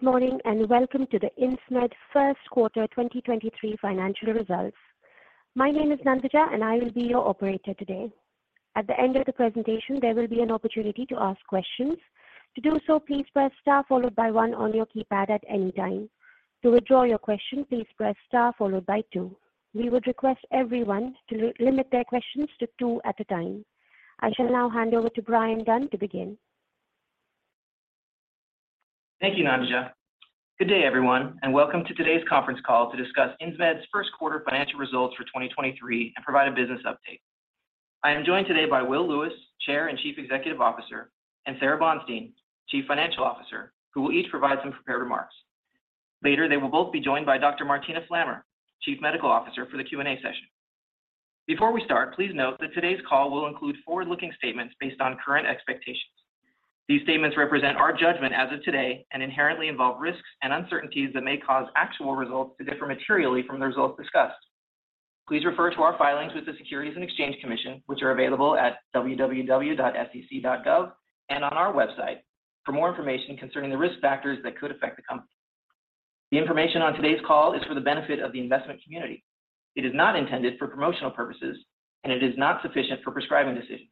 Welcome to the Insmed First Quarter 2023 Financial Results. My name is Nandija, and I will be your operator today. At the end of the presentation, there will be an opportunity to ask questions. To do so, please press star followed by one on your keypad at any time. To withdraw your question, please press star followed by two. We would request everyone to limit their questions to two at a time. I shall now hand over to Bryan Dunn to begin. Thank you, Nandija. Good day, everyone, and welcome to today's conference call to discuss Insmed's first quarter financial results for 2023 and provide a business update. I am joined today by Will Lewis, Chair and Chief Executive Officer, and Sara Bonstein, Chief Financial Officer, who will each provide some prepared remarks. Later, they will both be joined by Dr. Martina Flammer, Chief Medical Officer for the Q&A session. Before we start, please note that today's call will include forward-looking statements based on current expectations. These statements represent our judgment as of today and inherently involve risks and uncertainties that may cause actual results to differ materially from the results discussed. Please refer to our filings with the Securities and Exchange Commission, which are available at www.sec.gov and on our website for more information concerning the risk factors that could affect the company. The information on today's call is for the benefit of the investment community. It is not intended for promotional purposes, and it is not sufficient for prescribing decisions.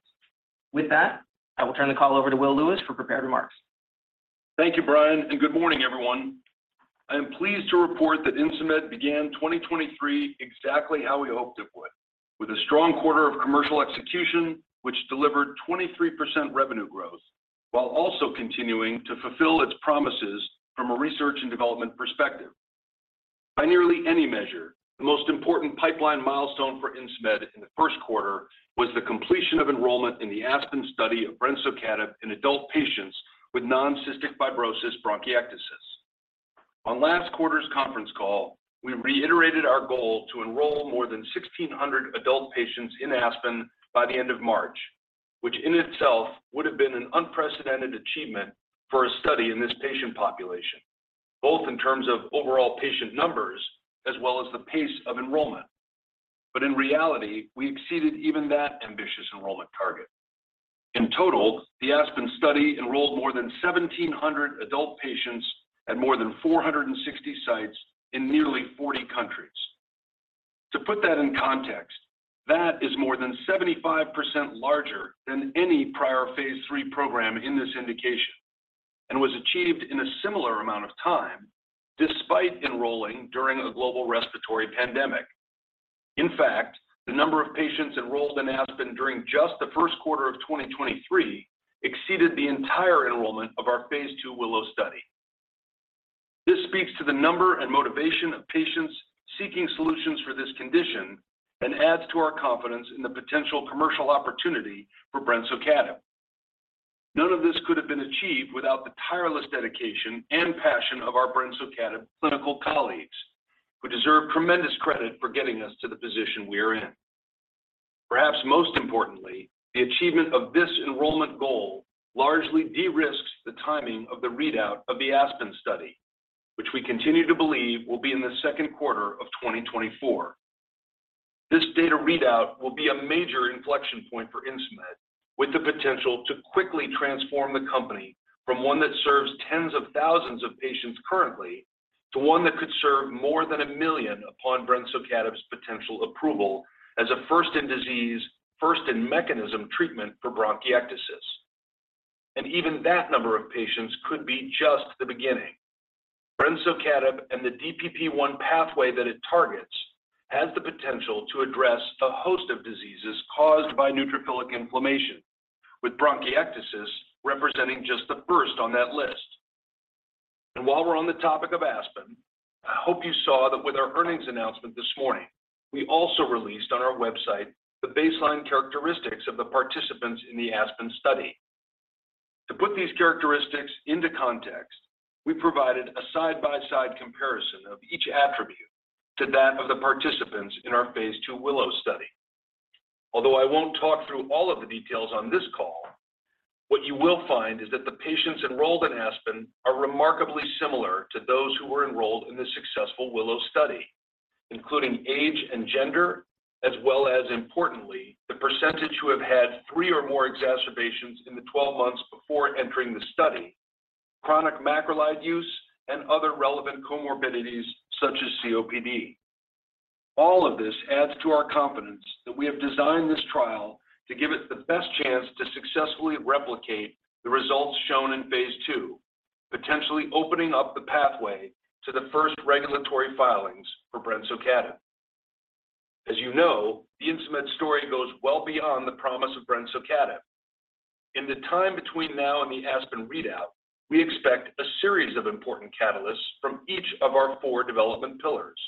With that, I will turn the call over to Will Lewis for prepared remarks. Thank you, Bryan, Good morning, everyone. I am pleased to report that Insmed began 2023 exactly how we hoped it would, with a strong quarter of commercial execution, which delivered 23% revenue growth, while also continuing to fulfill its promises from a research and development perspective. By nearly any measure, the most important pipeline milestone for Insmed in the first quarter was the completion of enrollment in the ASPEN study of brensocatib in adult patients with non-cystic fibrosis bronchiectasis. On last quarter's conference call, we reiterated our goal to enroll more than 1,600 adult patients in ASPEN by the end of March, which in itself would have been an unprecedented achievement for a study in this patient population, both in terms of overall patient numbers as well as the pace of enrollment. In reality, we exceeded even that ambitious enrollment target. In total, the ASPEN study enrolled more than 1,700 adult patients at more than 460 sites in nearly 40 countries. To put that in context, that is more than 75% larger than any prior phase III program in this indication and was achieved in a similar amount of time despite enrolling during a global respiratory pandemic. The number of patients enrolled in ASPEN during just the first quarter of 2023 exceeded the entire enrollment of our phase II WILLOW study. This speaks to the number and motivation of patients seeking solutions for this condition and adds to our confidence in the potential commercial opportunity for brensocatib. None of this could have been achieved without the tireless dedication and passion of our brensocatib clinical colleagues who deserve tremendous credit for getting us to the position we are in. Perhaps most importantly, the achievement of this enrollment goal largely de-risks the timing of the readout of the ASPEN study, which we continue to believe will be in the second quarter of 2024. This data readout will be a major inflection point for Insmed, with the potential to quickly transform the company from one that serves tens of thousands of patients currently to one that could serve more than one million upon brensocatib's potential approval as a first-in-disease, first-in-mechanism treatment for bronchiectasis. Even that number of patients could be just the beginning. Brensocatib and the DPP-1 pathway that it targets has the potential to address a host of diseases caused by neutrophilic inflammation, with bronchiectasis representing just the first on that list. While we're on the topic of ASPEN, I hope you saw that with our earnings announcement this morning, we also released on our website the baseline characteristics of the participants in the ASPEN study. To put these characteristics into context, we provided a side-by-side comparison of each attribute to that of the participants in our phase II WILLOW study. Although I won't talk through all of the details on this call, what you will find is that the patients enrolled in ASPEN are remarkably similar to those who were enrolled in the successful WILLOW study, including age and gender, as well as, importantly, the percentage who have had three or more exacerbations in the 12 months before entering the study, chronic macrolide use, and other relevant comorbidities such as COPD. All of this adds to our confidence that we have designed this trial to give it the best chance to successfully replicate the results shown in phase II, potentially opening up the pathway to the first regulatory filings for brensocatib. As you know, the Insmed story goes well beyond the promise of brensocatib. In the time between now and the ASPEN readout, we expect a series of important catalysts from each of our four development pillars.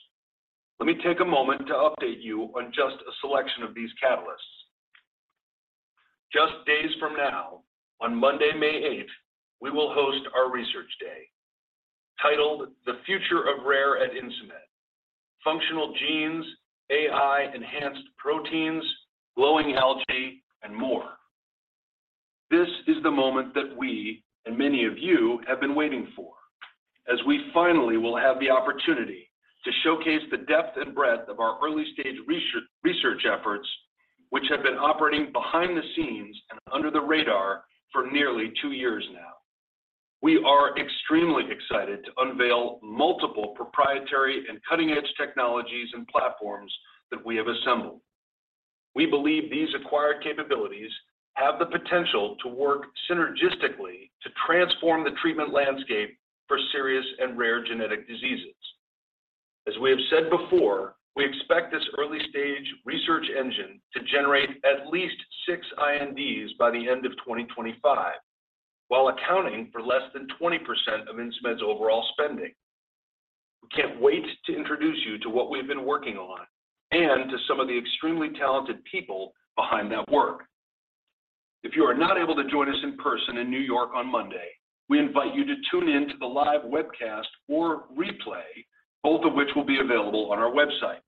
Let me take a moment to update you on just a selection of these catalysts. Just days from now, on Monday, May 8th, we will host our Research Day, titled The Future of Rare at Insmed: Functional Genes, AI-Enhanced Proteins, Glowing Algae, and more. This is the moment that we, and many of you, have been waiting for, as we finally will have the opportunity to showcase the depth and breadth of our early-stage research efforts. Been operating behind the scenes and under the radar for nearly two years now. We are extremely excited to unveil multiple proprietary and cutting-edge technologies and platforms that we have assembled. We believe these acquired capabilities have the potential to work synergistically to transform the treatment landscape for serious and rare genetic diseases. As we have said before, we expect this early-stage research engine to generate at least six INDs by the end of 2025, while accounting for less than 20% of Insmed's overall spending. We can't wait to introduce you to what we've been working on and to some of the extremely talented people behind that work. If you are not able to join us in person in New York on Monday, we invite you to tune in to the live webcast or replay, both of which will be available on our website.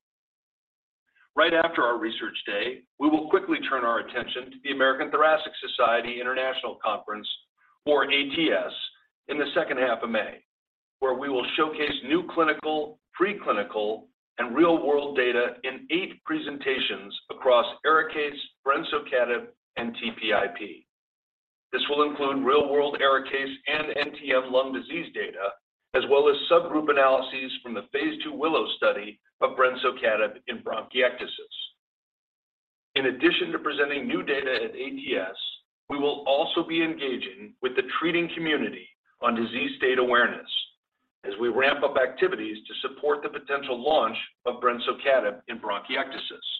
Right after our research day, we will quickly turn our attention to the American Thoracic Society International Conference, or ATS, in the second half of May, where we will showcase new clinical, preclinical, and real-world data in eight presentations across ARIKAYCE, brensocatib, and TPIP. This will include real-world ARIKAYCE and NTM lung disease data, as well as subgroup analyses from the phase II WILLOW study of brensocatib in bronchiectasis. In addition to presenting new data at ATS, we will also be engaging with the treating community on disease state awareness as we ramp up activities to support the potential launch of brensocatib in bronchiectasis.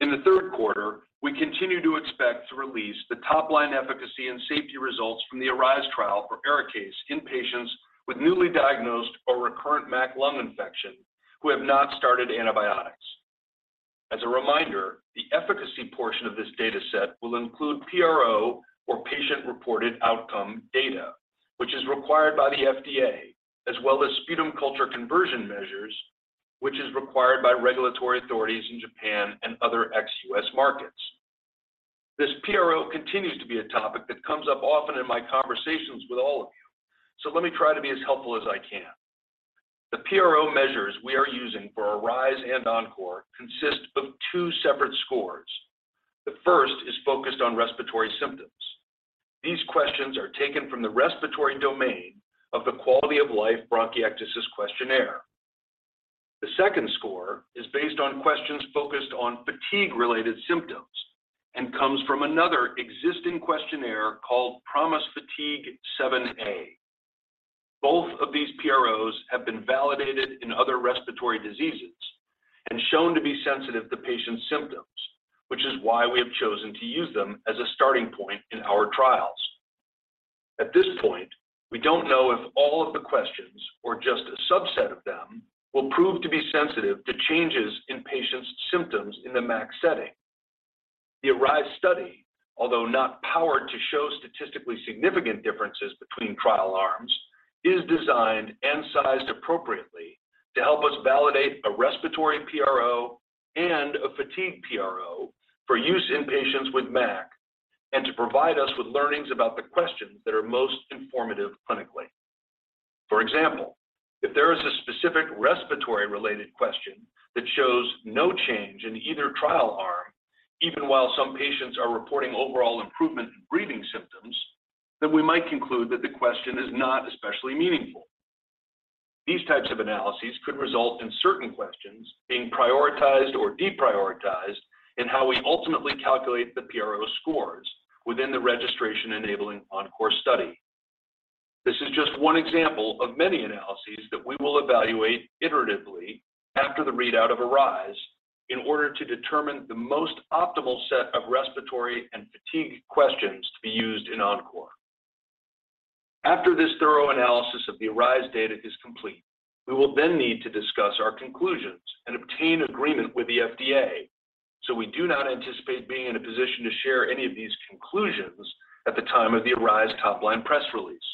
In the third quarter, we continue to expect to release the top-line efficacy and safety results from the ARISE trial for ARIKAYCE in patients with newly diagnosed or recurrent MAC lung infection who have not started antibiotics. As a reminder, the efficacy portion of this data set will include PRO, or patient-reported outcome, data, which is required by the FDA, as well as sputum culture conversion measures, which is required by regulatory authorities in Japan and other ex-U.S. markets. This PRO continues to be a topic that comes up often in my conversations with all of you, so let me try to be as helpful as I can. The PRO measures we are using for ARISE and ENCORE consist of two separate scores. The first is focused on respiratory symptoms. These questions are taken from the respiratory domain of the Quality of Life Bronchiectasis-Questionnaire. The second score is based on questions focused on fatigue-related symptoms and comes from another existing questionnaire called PROMIS Fatigue 7a. Both of these PROs have been validated in other respiratory diseases and shown to be sensitive to patients' symptoms, which is why we have chosen to use them as a starting point in our trials. At this point, we don't know if all of the questions or just a subset of them will prove to be sensitive to changes in patients' symptoms in the MAC setting. The ARISE study, although not powered to show statistically significant differences between trial arms, is designed and sized appropriately to help us validate a respiratory PRO and a fatigue PRO for use in patients with MAC and to provide us with learnings about the questions that are most informative clinically. For example, if there is a specific respiratory-related question that shows no change in either trial arm, even while some patients are reporting overall improvement in breathing symptoms, then we might conclude that the question is not especially meaningful. These types of analyses could result in certain questions being prioritized or deprioritized in how we ultimately calculate the PRO scores within the registration-enabling ENCORE study. This is just one example of many analyses that we will evaluate iteratively after the readout of ARISE in order to determine the most optimal set of respiratory and fatigue questions to be used in ENCORE. After this thorough analysis of the ARISE data is complete, we will then need to discuss our conclusions and obtain agreement with the FDA. We do not anticipate being in a position to share any of these conclusions at the time of the ARISE top-line press release.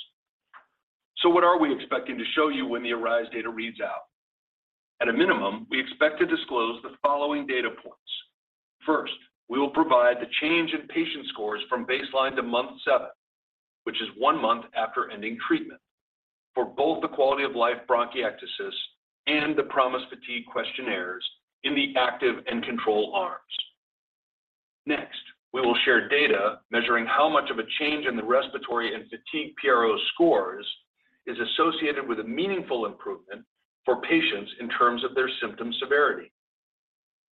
What are we expecting to show you when the ARISE data reads out? At a minimum, we expect to disclose the following data points. First, we will provide the change in patient scores from baseline to month seven, which is one month after ending treatment, for both the Quality-of-Life Bronchiectasis and the PROMIS Fatigue questionnaires in the active and control arms. We will share data measuring how much of a change in the respiratory and fatigue PRO scores is associated with a meaningful improvement for patients in terms of their symptom severity.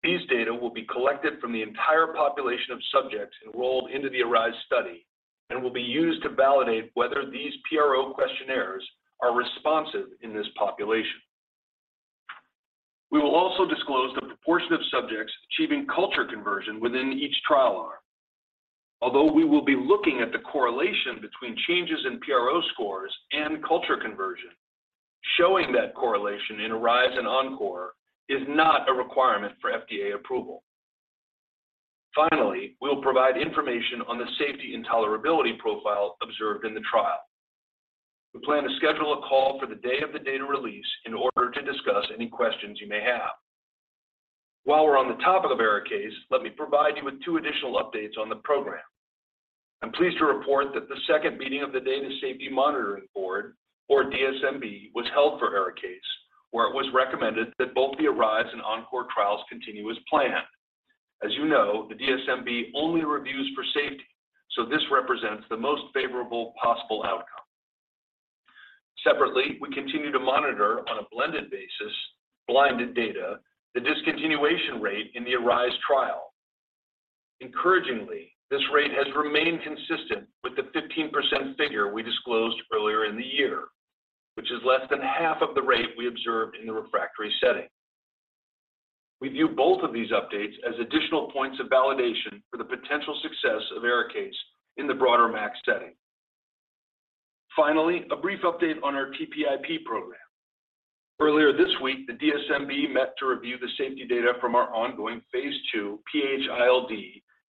These data will be collected from the entire population of subjects enrolled into the ARISE study and will be used to validate whether these PRO questionnaires are responsive in this population. We will also disclose the proportion of subjects achieving culture conversion within each trial arm. We will be looking at the correlation between changes in PRO scores and culture conversion, showing that correlation in ARISE and ENCORE is not a requirement for FDA approval. Finally, we will provide information on the safety and tolerability profile observed in the trial. We plan to schedule a call for the day of the data release in order to discuss any questions you may have. While we're on the topic of ARIKAYCE, let me provide you with two additional updates on the program. I'm pleased to report that the second meeting of the Data Safety Monitoring Board or DSMB was held for ARIKAYCE, where it was recommended that both the ARISE and ENCORE trials continue as planned. As you know, the DSMB only reviews for safety, so this represents the most favorable possible outcome. Separately, we continue to monitor on a blended basis, blinded data, the discontinuation rate in the ARISE trial. Encouragingly, this rate has remained consistent with the 15% figure we disclosed earlier in the year, which is less than half of the rate we observed in the refractory setting. We view both of these updates as additional points of validation for the potential success of ARIKAYCE in the broader MAC setting. A brief update on our TPIP program. Earlier this week, the DSMB met to review the safety data from our ongoing phase II PHILD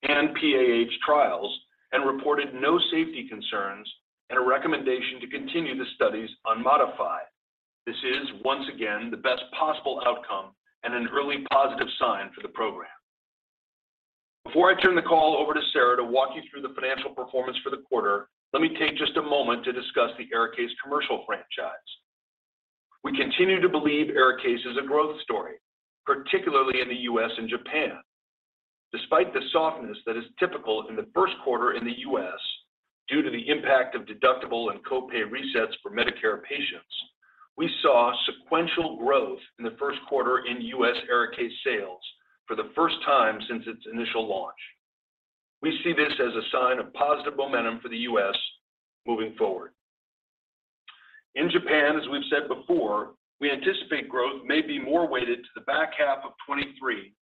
and PAH trials and reported no safety concerns and a recommendation to continue the studies unmodified. This is once again the best possible outcome and a really positive sign for the program. Before I turn the call over to Sara to walk you through the financial performance for the quarter, let me take just a moment to discuss the ARIKAYCE commercial franchise. We continue to believe ARIKAYCE is a growth story, particularly in the U.S. and Japan. Despite the softness that is typical in the first quarter in the U.S. due to the impact of deductible and co-pay resets for Medicare patients, we saw sequential growth in the first quarter in U.S. ARIKAYCE sales for the first time since its initial launch. We see this as a sign of positive momentum for the U.S. moving forward. In Japan, as we've said before, we anticipate growth may be more weighted to the back half of 2023,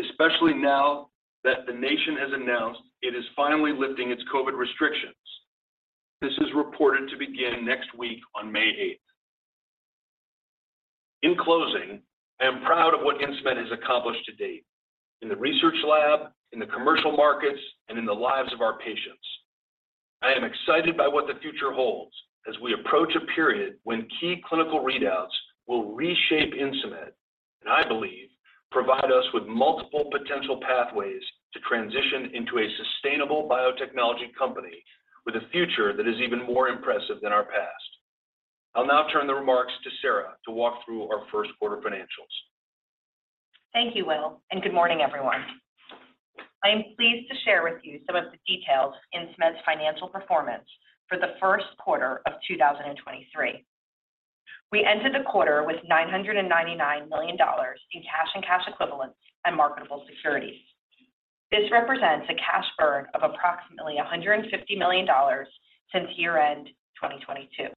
especially now that the nation has announced it is finally lifting its COVID restrictions. This is reported to begin next week on May 8th. In closing, I am proud of what Insmed has accomplished to date in the research lab, in the commercial markets, and in the lives of our patients. I am excited by what the future holds as we approach a period when key clinical readouts will reshape Insmed, and I believe provide us with multiple potential pathways to transition into a sustainable biotechnology company with a future that is even more impressive than our past. I'll now turn the remarks to Sara to walk through our first quarter financials. Thank you, Will. Good morning, everyone. I am pleased to share with you some of the details Insmed's financial performance for the first quarter of 2023. We ended the quarter with $999 million in cash and cash equivalents and marketable securities. This represents a cash burn of approximately $150 million since year-end 2022.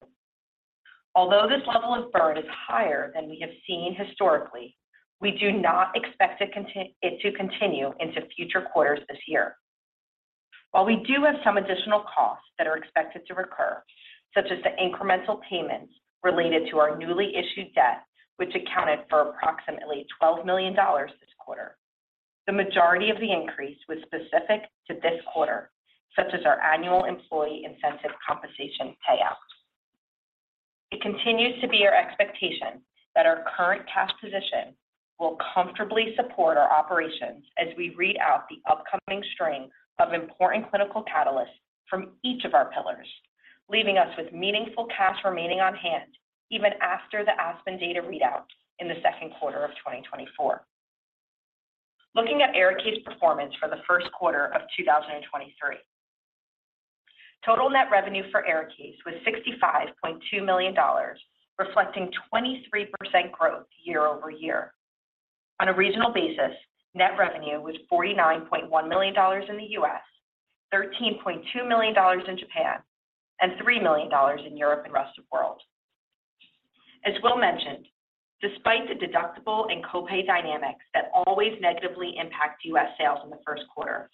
This level of burn is higher than we have seen historically, we do not expect it to continue into future quarters this year. We do have some additional costs that are expected to recur, such as the incremental payments related to our newly issued debt, which accounted for approximately $12 million this quarter. The majority of the increase was specific to this quarter, such as our annual employee incentive compensation payout. It continues to be our expectation that our current cash position will comfortably support our operations as we read out the upcoming string of important clinical catalysts from each of our pillars, leaving us with meaningful cash remaining on hand even after the ASPEN data readout in the second quarter of 2024. Looking at ARIKAYCE performance for the first quarter of 2023. Total net revenue for ARIKAYCE was $65.2 million, reflecting 23% growth year-over-year. On a regional basis, net revenue was $49.1 million in the U.S., $13.2 million in Japan, and $3 million in Europe and rest of world. As Will mentioned, despite the deductible and copay dynamics that always negatively impact U.S. sales in the first quarter,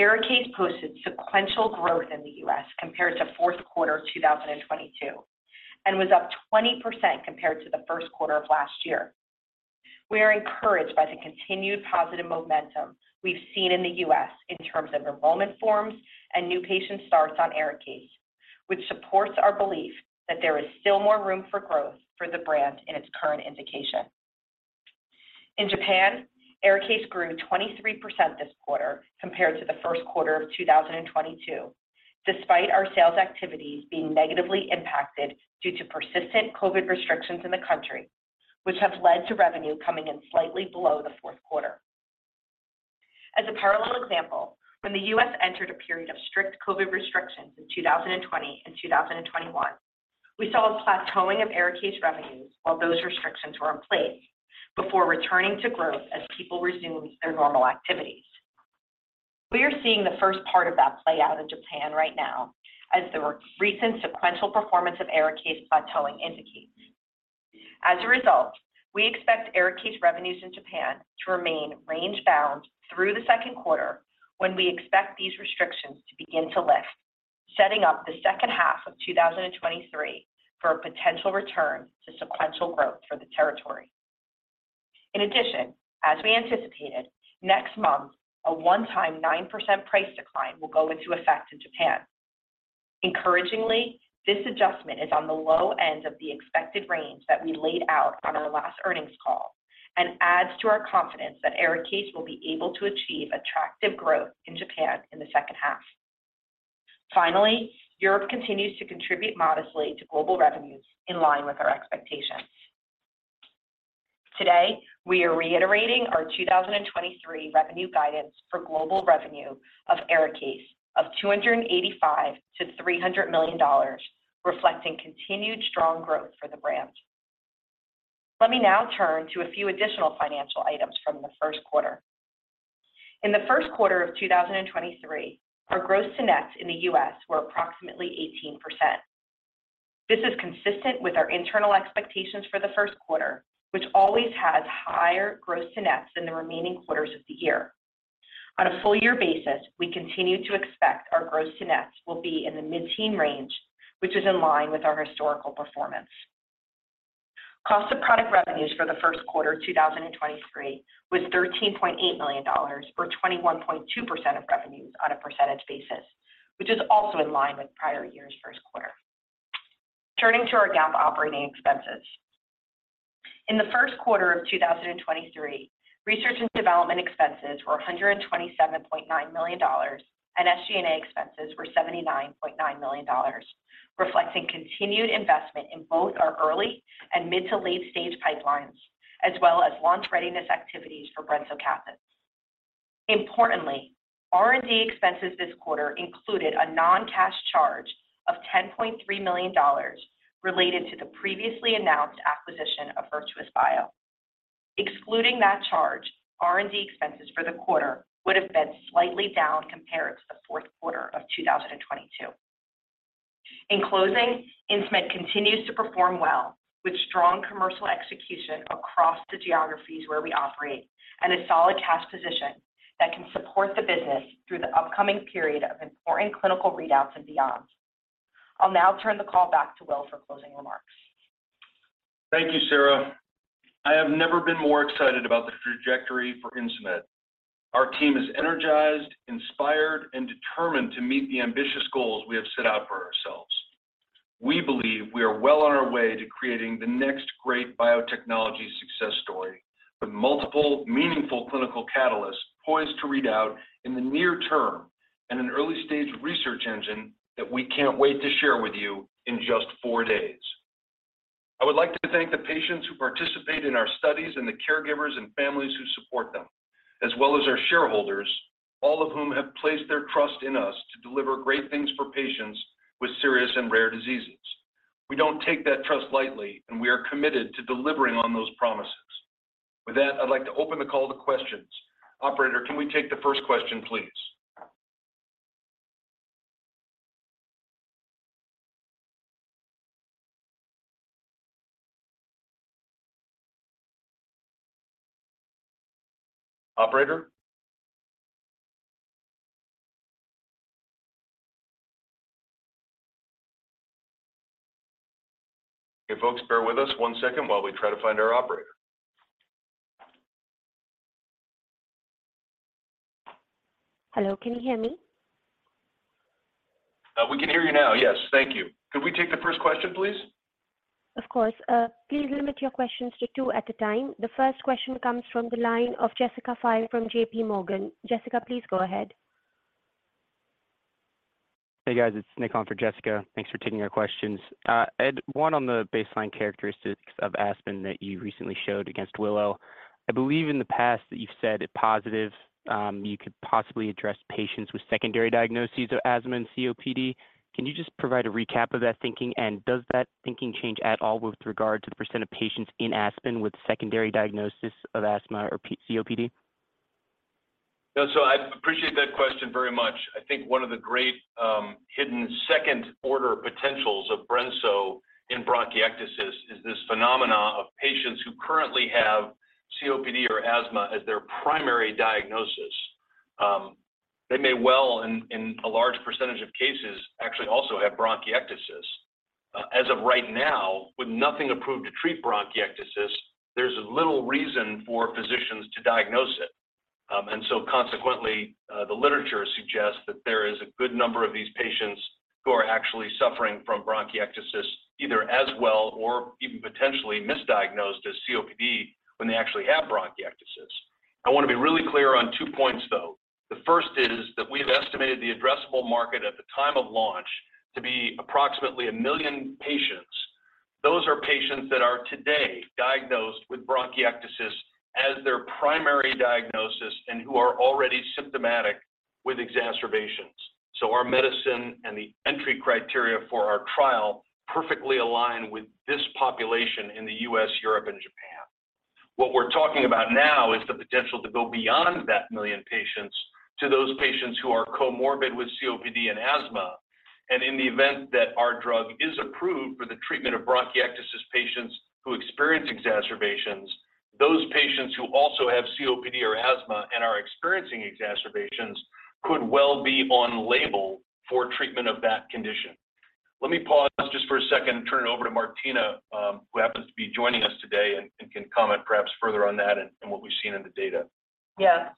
ARIKAYCE posted sequential growth in the U.S. compared to fourth quarter 2022 and was up 20% compared to the first quarter of last year. We are encouraged by the continued positive momentum we've seen in the U.S. in terms of enrollment forms and new patient starts on ARIKAYCE, which supports our belief that there is still more room for growth for the brand in its current indication. Japan, ARIKAYCE grew 23% this quarter compared to the first quarter of 2022, despite our sales activities being negatively impacted due to persistent COVID restrictions in the country, which have led to revenue coming in slightly below the fourth quarter. As a parallel example, when the U.S. entered a period of strict COVID restrictions in 2020 and 2021, we saw a plateauing of ARIKAYCE revenues while those restrictions were in place before returning to growth as people resumed their normal activities. We are seeing the first part of that play out in Japan right now as the recent sequential performance of ARIKAYCE plateauing indicates. As a result, we expect ARIKAYCE revenues in Japan to remain range-bound through the second quarter when we expect these restrictions to begin to lift, setting up the second half of 2023 for a potential return to sequential growth for the territory. As we anticipated, next month, a one-time 9% price decline will go into effect in Japan. Encouragingly, this adjustment is on the low end of the expected range that we laid out on our last earnings call and adds to our confidence that ARIKAYCE will be able to achieve attractive growth in Japan in the second half. Europe continues to contribute modestly to global revenues in line with our expectations. Today, we are reiterating our 2023 revenue guidance for global revenue of ARIKAYCE of $285 million-$300 million, reflecting continued strong growth for the brand. Let me now turn to a few additional financial items from the first quarter. In the first quarter of 2023, our gross to nets in the U.S. were approximately 18%. This is consistent with our internal expectations for the first quarter, which always has higher gross to nets than the remaining quarters of the year. On a full year basis, we continue to expect our gross to nets will be in the mid-teen range, which is in line with our historical performance. Cost of product revenues for the first quarter 2023 was $13.8 million or 21.2% of revenues on a percentage basis, which is also in line with prior year's first quarter. Turning to our GAAP operating expenses. In the first quarter of 2023, R&D expenses were $127.9 million and SG&A expenses were $79.9 million, reflecting continued investment in both our early and mid to late-stage pipelines, as well as launch readiness activities for brensocatib. Importantly, R&D expenses this quarter included a non-cash charge of $10.3 million related to the previously announced acquisition of Vertuis Bio. Excluding that charge, R&D expenses for the quarter would have been slightly down compared to the fourth quarter of 2022. In closing, Insmed continues to perform well with strong commercial execution across the geographies where we operate and a solid cash position that can support the business through the upcoming period of important clinical readouts and beyond. I'll now turn the call back to Will for closing remarks. Thank you, Sara. I have never been more excited about the trajectory for Insmed. Our team is energized, inspired, and determined to meet the ambitious goals we have set out for ourselves. We believe we are well on our way to creating the next great biotechnology success story with multiple meaningful clinical catalysts poised to read out in the near term and an early-stage research engine that we can't wait to share with you in just four days. I would like to thank the patients who participate in our studies and the caregivers and families who support them, as well as our shareholders, all of whom have placed their trust in us to deliver great things for patients with serious and rare diseases. We don't take that trust lightly, and we are committed to delivering on those promises. With that, I'd like to open the call to questions. Operator, can we take the first question, please? Operator? Okay, folks, bear with us one second while we try to find our Operator. Hello, can you hear me? We can hear you now. Yes, thank you. Could we take the first question, please? Of course. Please limit your questions to two at a time. The first question comes from the line of Jessica Fye from JPMorgan. Jessica, please go ahead. Hey, guys. It's Nick on for Jessica. Thanks for taking our questions. Ed, one on the baseline characteristics of ASPEN that you recently showed against WILLOW. I believe in the past that you've said if positive, you could possibly address patients with secondary diagnoses of asthma and COPD. Can you just provide a recap of that thinking? Does that thinking change at all with regard to the percent of patients in ASPEN with secondary diagnosis of asthma or COPD? I appreciate that question very much. I think one of the great, hidden second-order potentials of brensocatib in bronchiectasis is this phenomena of patients who currently have COPD or asthma as their primary diagnosis. They may well, in a large percentage of cases, actually also have bronchiectasis. As of right now, with nothing approved to treat bronchiectasis, there's little reason for physicians to diagnose it. Consequently, the literature suggests that there is a good number of these patients who are actually suffering from bronchiectasis either as well or even potentially misdiagnosed as COPD when they actually have bronchiectasis. I want to be really clear on two points, though. The first is that we have estimated the addressable market at the time of launch to be approximately one million patients. Those are patients that are today diagnosed with bronchiectasis as their primary diagnosis and who are already symptomatic with exacerbations. Our medicine and the entry criteria for our trial perfectly align with this population in the U.S., Europe, and Japan. What we're talking about now is the potential to go beyond that one million patients to those patients who are comorbid with COPD and asthma. In the event that our drug is approved for the treatment of bronchiectasis patients who experience exacerbations, those patients who also have COPD or asthma and are experiencing exacerbations could well be on label for treatment of that condition. Let me pause just for a second and turn it over to Martina, who happens to be joining us today and can comment perhaps further on that and what we've seen in the data. Yeah.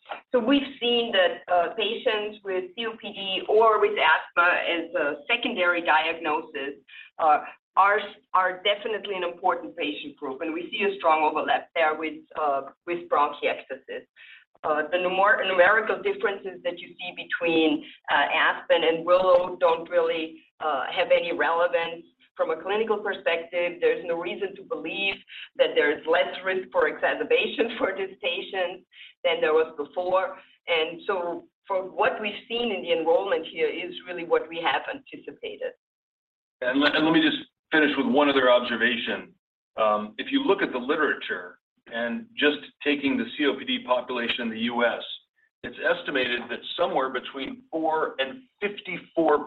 We've seen that patients with COPD or with asthma as a secondary diagnosis are definitely an important patient group, and we see a strong overlap there with bronchiectasis. The numerical differences that you see between ASPEN and WILLOW don't really have any relevance from a clinical perspective. There's no reason to believe that there's less risk for exacerbation for these patients than there was before. From what we've seen in the enrollment here is really what we have anticipated. Let me just finish with one other observation. If you look at the literature and just taking the COPD population in the U.S., it's estimated that somewhere between 4% and 54%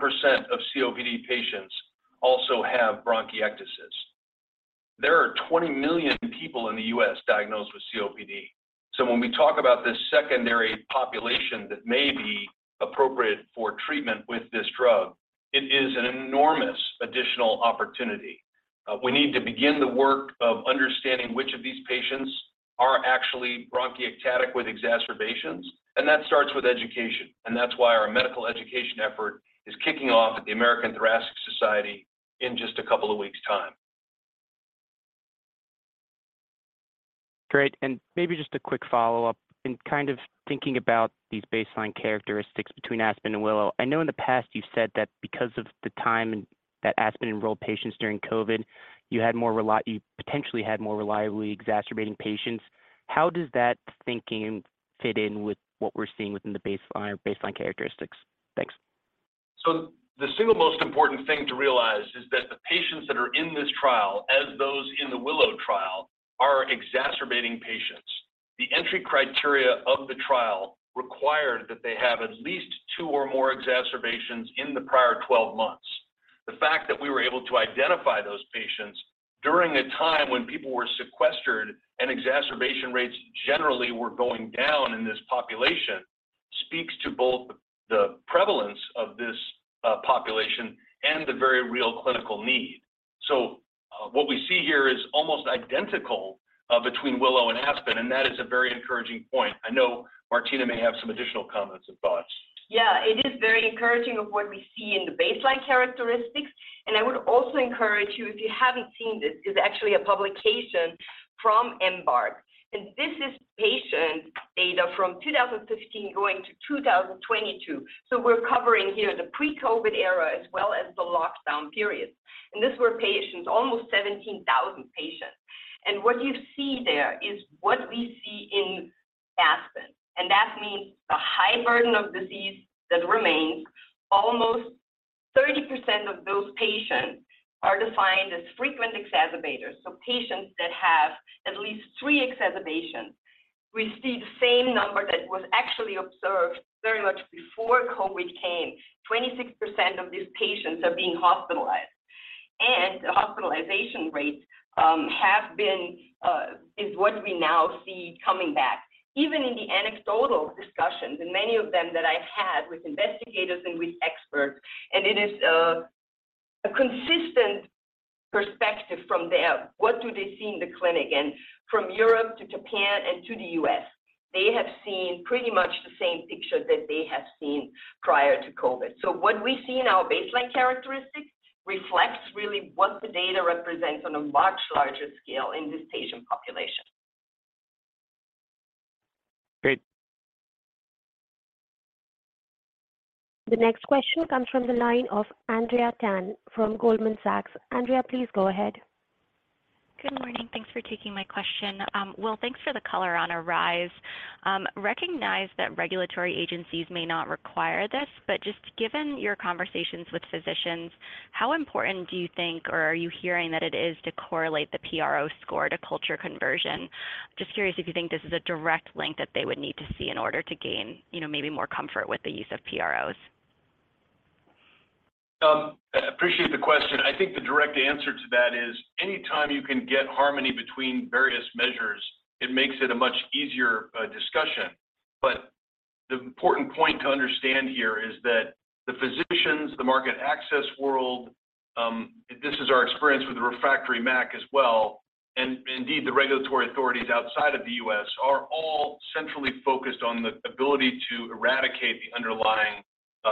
of COPD patients also have bronchiectasis. There are 20 million people in the U.S. diagnosed with COPD. When we talk about this secondary population that may be appropriate for treatment with this drug, it is an enormous additional opportunity. We need to begin the work of understanding which of these patients are actually bronchiectasis with exacerbations, and that starts with education. That's why our medical education effort is kicking off at the American Thoracic Society in just a couple of weeks' time. Great. Maybe just a quick follow-up. In kind of thinking about these baseline characteristics between ASPEN and WILLOW, I know in the past you said that because of the time and that ASPEN enrolled patients during COVID, you potentially had more reliably exacerbating patients. How does that thinking fit in with what we're seeing within the baseline characteristics? Thanks. The single most important thing to realize is that the patients that are in this trial, as those in the WILLOW trial, are exacerbating patients. The entry criteria of the trial required that they have at least two or more exacerbations in the prior 12 months. The fact that we were able to identify those patients during a time when people were sequestered and exacerbation rates generally were going down in this population speaks to both the prevalence of this population and the very real clinical need. What we see here is almost identical between WILLOW and ASPEN, and that is a very encouraging point. I know Martina may have some additional comments and thoughts. It is very encouraging of what we see in the baseline characteristics. I would also encourage you, if you haven't seen this, it's actually a publication from EMBARC, and this is patient data from 2015 going to 2022. We're covering here the pre-COVID era as well as the lockdown period. These were patients, almost 17,000 patients. What you see there is what we see in ASPEN, and that means the high burden of disease that remains. Almost 30% of those patients are defined as frequent exacerbators, so patients that have at least three exacerbations. We see the same number that was actually observed very much before COVID came. 26% of these patients are being hospitalized, and the hospitalization rates have been is what we now see coming back. Even in the anecdotal discussions and many of them that I've had with investigators and with experts, and it is a consistent perspective from them. What do they see in the clinic? From Europe to Japan and to the U.S., they have seen pretty much the same picture that they have seen prior to COVID. What we see in our baseline characteristics reflects really what the data represents on a much larger scale in this patient population. Great. The next question comes from the line of Andrea Tan from Goldman Sachs. Andrea, please go ahead. Good morning. Thanks for taking my question. Will, thanks for the color on ARISE. Recognize that regulatory agencies may not require this, but just given your conversations with physicians, how important do you think or are you hearing that it is to correlate the PRO score to culture conversion? Just curious if you think this is a direct link that they would need to see in order to gain, you know, maybe more comfort with the use of PROs. I appreciate the question. I think the direct answer to that is anytime you can get harmony between various measures, it makes it a much easier discussion. The important point to understand here is that the physicians, the market access world, this is our experience with the refractory MAC as well, and indeed the regulatory authorities outside of the U.S. are all centrally focused on the ability to eradicate the underlying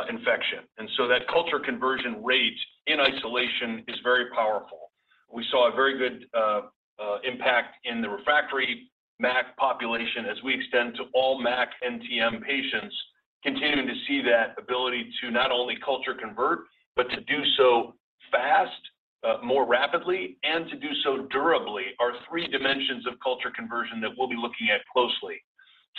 infection. That culture conversion rate in isolation is very powerful. We saw a very good impact in the refractory MAC population as we extend to all MAC NTM patients continuing to see that ability to not only culture convert, but to do so fast, more rapidly, and to do so durably are three dimensions of culture conversion that we'll be looking at closely.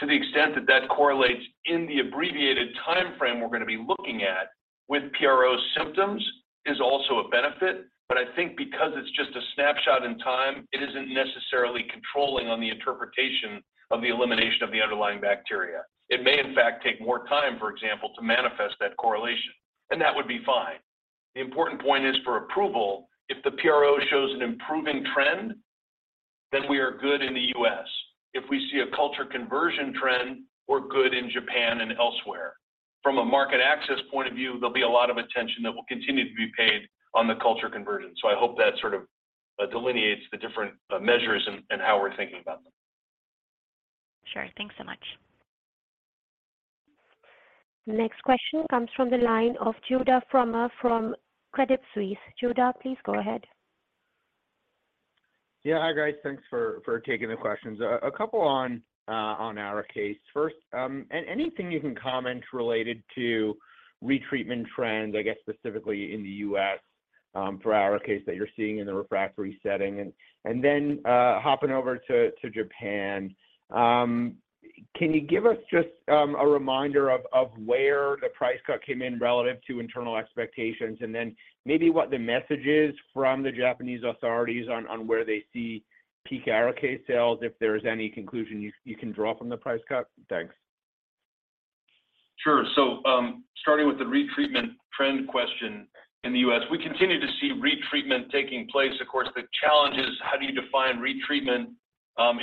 To the extent that that correlates in the abbreviated timeframe we're gonna be looking at with PRO symptoms is also a benefit. I think because it's just a snapshot in time, it isn't necessarily controlling on the interpretation of the elimination of the underlying bacteria. It may in fact take more time, for example, to manifest that correlation, and that would be fine. The important point is for approval, if the PRO shows an improving trend. We are good in the U.S. If we see a culture conversion trend, we're good in Japan and elsewhere. From a market access point of view, there'll be a lot of attention that will continue to be paid on the culture conversion. I hope that sort of delineates the different measures and how we're thinking about them. Sure. Thanks so much. Next question comes from the line of Judah Frommer from Credit Suisse. Judah, please go ahead. Hi, guys. Thanks for taking the questions. A couple on ARIKAYCE. First, anything you can comment related to retreatment trends, I guess specifically in the U.S., for ARIKAYCE that you're seeing in the refractory setting? Hopping over to Japan, can you give us just a reminder of where the price cut came in relative to internal expectations? Maybe what the message is from the Japanese authorities on where they see peak ARIKAYCE sales, if there is any conclusion you can draw from the price cut? Thanks. Sure. Starting with the retreatment trend question in the U.S., we continue to see retreatment taking place. Of course, the challenge is how do you define retreatment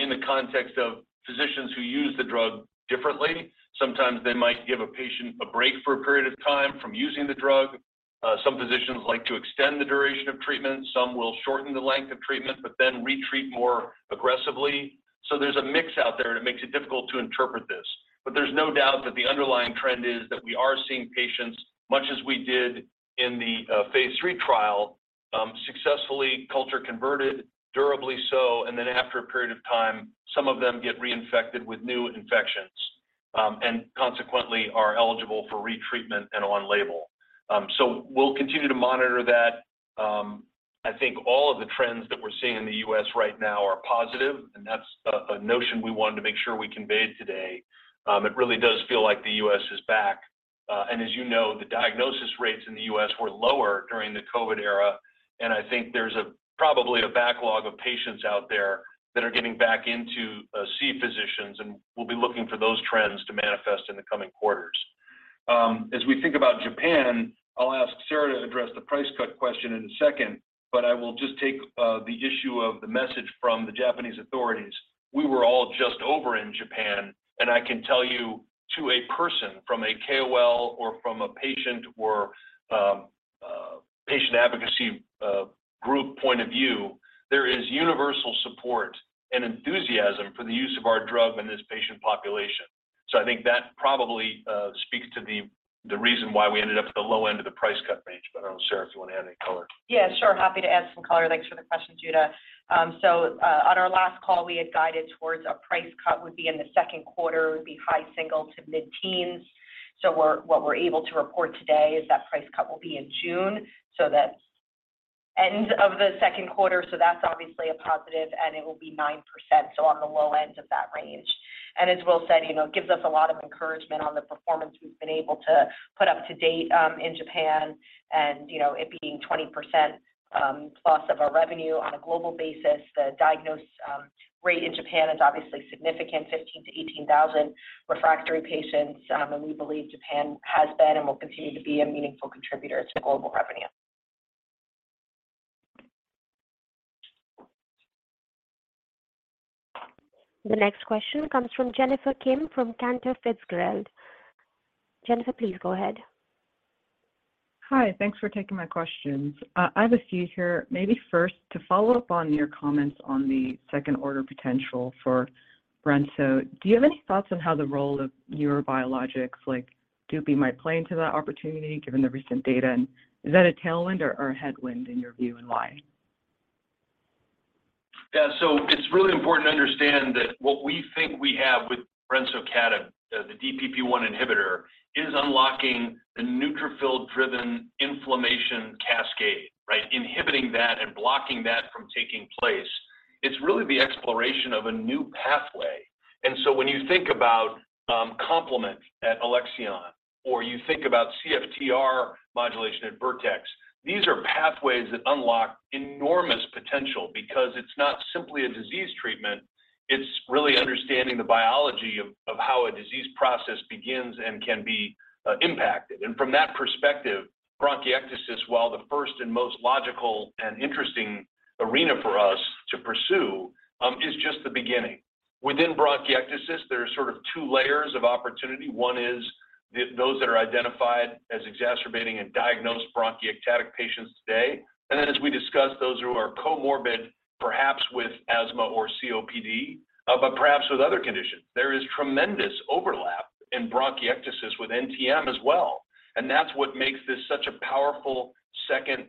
in the context of physicians who use the drug differently. Sometimes they might give a patient a break for a period of time from using the drug. Some physicians like to extend the duration of treatment. Some will shorten the length of treatment, but then retreat more aggressively. There's a mix out there, and it makes it difficult to interpret this. There's no doubt that the underlying trend is that we are seeing patients, much as we did in the phase III trial, successfully culture converted durably so, and then after a period of time, some of them get reinfected with new infections, and consequently are eligible for retreatment and on label. We'll continue to monitor that. I think all of the trends that we're seeing in the U.S. right now are positive, and that's a notion we wanted to make sure we conveyed today. It really does feel like the U.S. is back. As you know, the diagnosis rates in the U.S. were lower during the COVID era. I think there's a probably a backlog of patients out there that are getting back into see physicians, and we'll be looking for those trends to manifest in the coming quarters. As we think about Japan, I'll ask Sara to address the price cut question in a second, I will just take the issue of the message from the Japanese authorities. We were all just over in Japan. I can tell you to a person from a KOL or from a patient or patient advocacy group point of view, there is universal support and enthusiasm for the use of our drug in this patient population. I think that probably speaks to the reason why we ended up at the low end of the price cut range. I don't know, Sara, if you want to add any color. Yeah, sure. Happy to add some color. Thanks for the question, Judah. On our last call, we had guided towards a price cut would be in the second quarter. It would be high single to mid-teens. What we're able to report today is that price cut will be in June, so that end of the second quarter. That's obviously a positive, and it will be 9%, so on the low end of that range. As Will said, you know, it gives us a lot of encouragement on the performance we've been able to put up to date in Japan and, you know, it being 20% loss of our revenue on a global basis. The diagnose rate in Japan is obviously significant, 15,000–18,000 refractory patients. We believe Japan has been and will continue to be a meaningful contributor to global revenue. The next question comes from Jennifer Kim from Cantor Fitzgerald. Jennifer, please go ahead. Hi. Thanks for taking my questions. I have a few here. Maybe first, to follow up on your comments on the second order potential for brensocatib. Do you have any thoughts on how the role of neurobiologics like DUPIXENT might play into that opportunity given the recent data? Is that a tailwind or a headwind in your view, and why? Yeah. It's really important to understand that what we think we have with brensocatib, the DPP-1 inhibitor, is unlocking the neutrophil-driven inflammation cascade, right? Inhibiting that and blocking that from taking place. It's really the exploration of a new pathway. When you think about complement at Alexion or you think about CFTR modulation at Vertex, these are pathways that unlock enormous potential because it's not simply a disease treatment, it's really understanding the biology of how a disease process begins and can be impacted. From that perspective, bronchiectasis, while the first and most logical and interesting arena for us to pursue, is just the beginning. Within bronchiectasis, there are sort of two layers of opportunity. One is those that are identified as exacerbating and diagnosed bronchiectasis patients today. As we discussed, those who are comorbid, perhaps with asthma or COPD, but perhaps with other conditions. There is tremendous overlap in bronchiectasis with NTM as well, and that's what makes this such a powerful second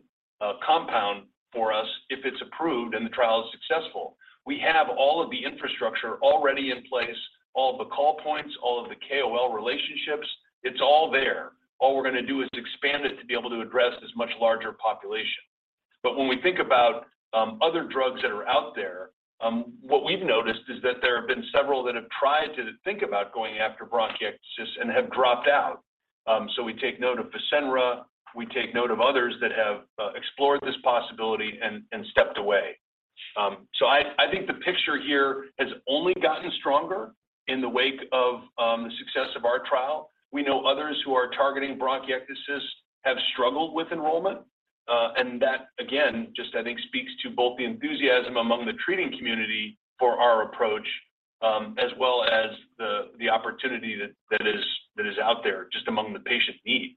compound for us if it's approved and the trial is successful. We have all of the infrastructure already in place, all the call points, all of the KOL relationships. It's all there. All we're gonna do is expand it to be able to address this much larger population. When we think about other drugs that are out there, what we've noticed is that there have been several that have tried to think about going after bronchiectasis and have dropped out. We take note of FASENRA, we take note of others that have explored this possibility and stepped away. I think the picture here has only gotten stronger in the wake of the success of our trial. We know others who are targeting bronchiectasis have struggled with enrollment. That again, just I think speaks to both the enthusiasm among the treating community for our approach, as well as the opportunity that is out there just among the patient need.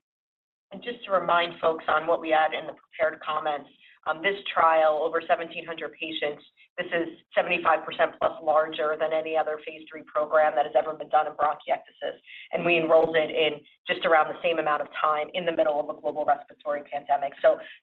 Just to remind folks on what we had in the prepared comments. This trial over 1,700 patients, this is 75%+ larger than any other phase III program that has ever been done in bronchiectasis. We enrolled it in just around the same amount of time in the middle of a global respiratory pandemic.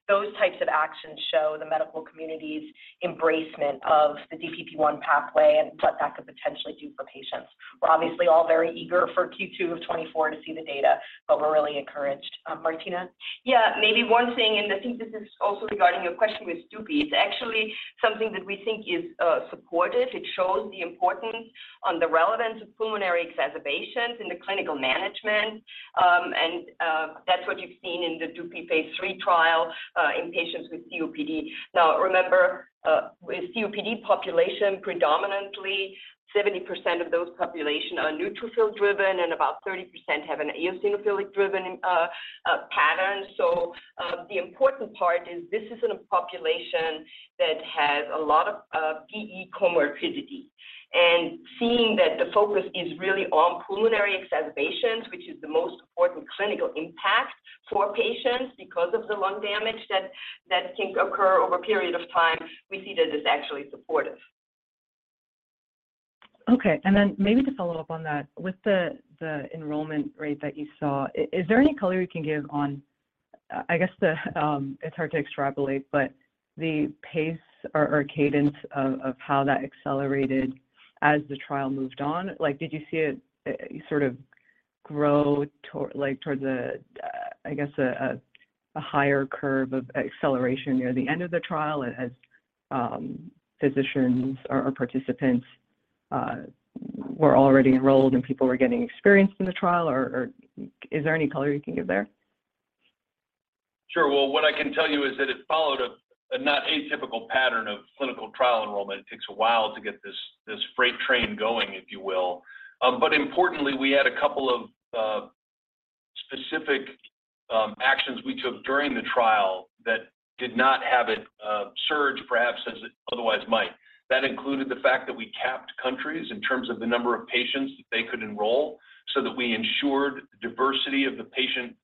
Those types of actions show the medical community's embracement of the DPP1 pathway and what that could potentially do for patients. We're obviously all very eager for Q2 of 2024 to see the data, but we're really encouraged. Martina? Yeah. Maybe one thing, and I think this is also regarding your question with Dupi, it's actually something that we think is supportive. It shows the importance on the relevance of pulmonary exacerbations in the clinical management. That's what you've seen in the Dupi phase III trial in patients with COPD. Now, remember, with COPD population predominantly 70% of those population are neutrophil driven, and about 30% have an eosinophilic driven pattern. The important part is this is in a population that has a lot of PE comorbidity. Seeing that the focus is really on pulmonary exacerbations, which is the most important clinical impact for patients because of the lung damage that can occur over a period of time, we see that it's actually supportive. Okay. Then maybe to follow up on that, with the enrollment rate that you saw, is there any color you can give on, I guess the, it's hard to extrapolate, but the pace or cadence of how that accelerated as the trial moved on? Like, did you see it, sort of grow like, towards a, I guess a higher curve of acceleration near the end of the trial as physicians or participants were already enrolled and people were getting experienced in the trial? Or is there any color you can give there? Sure. Well, what I can tell you is that it followed a not atypical pattern of clinical trial enrollment. It takes a while to get this freight train going, if you will. Importantly, we had a couple of specific actions we took during the trial that did not have it surge perhaps as it otherwise might. That included the fact that we capped countries in terms of the number of patients that they could enroll, so that we ensured diversity of the patient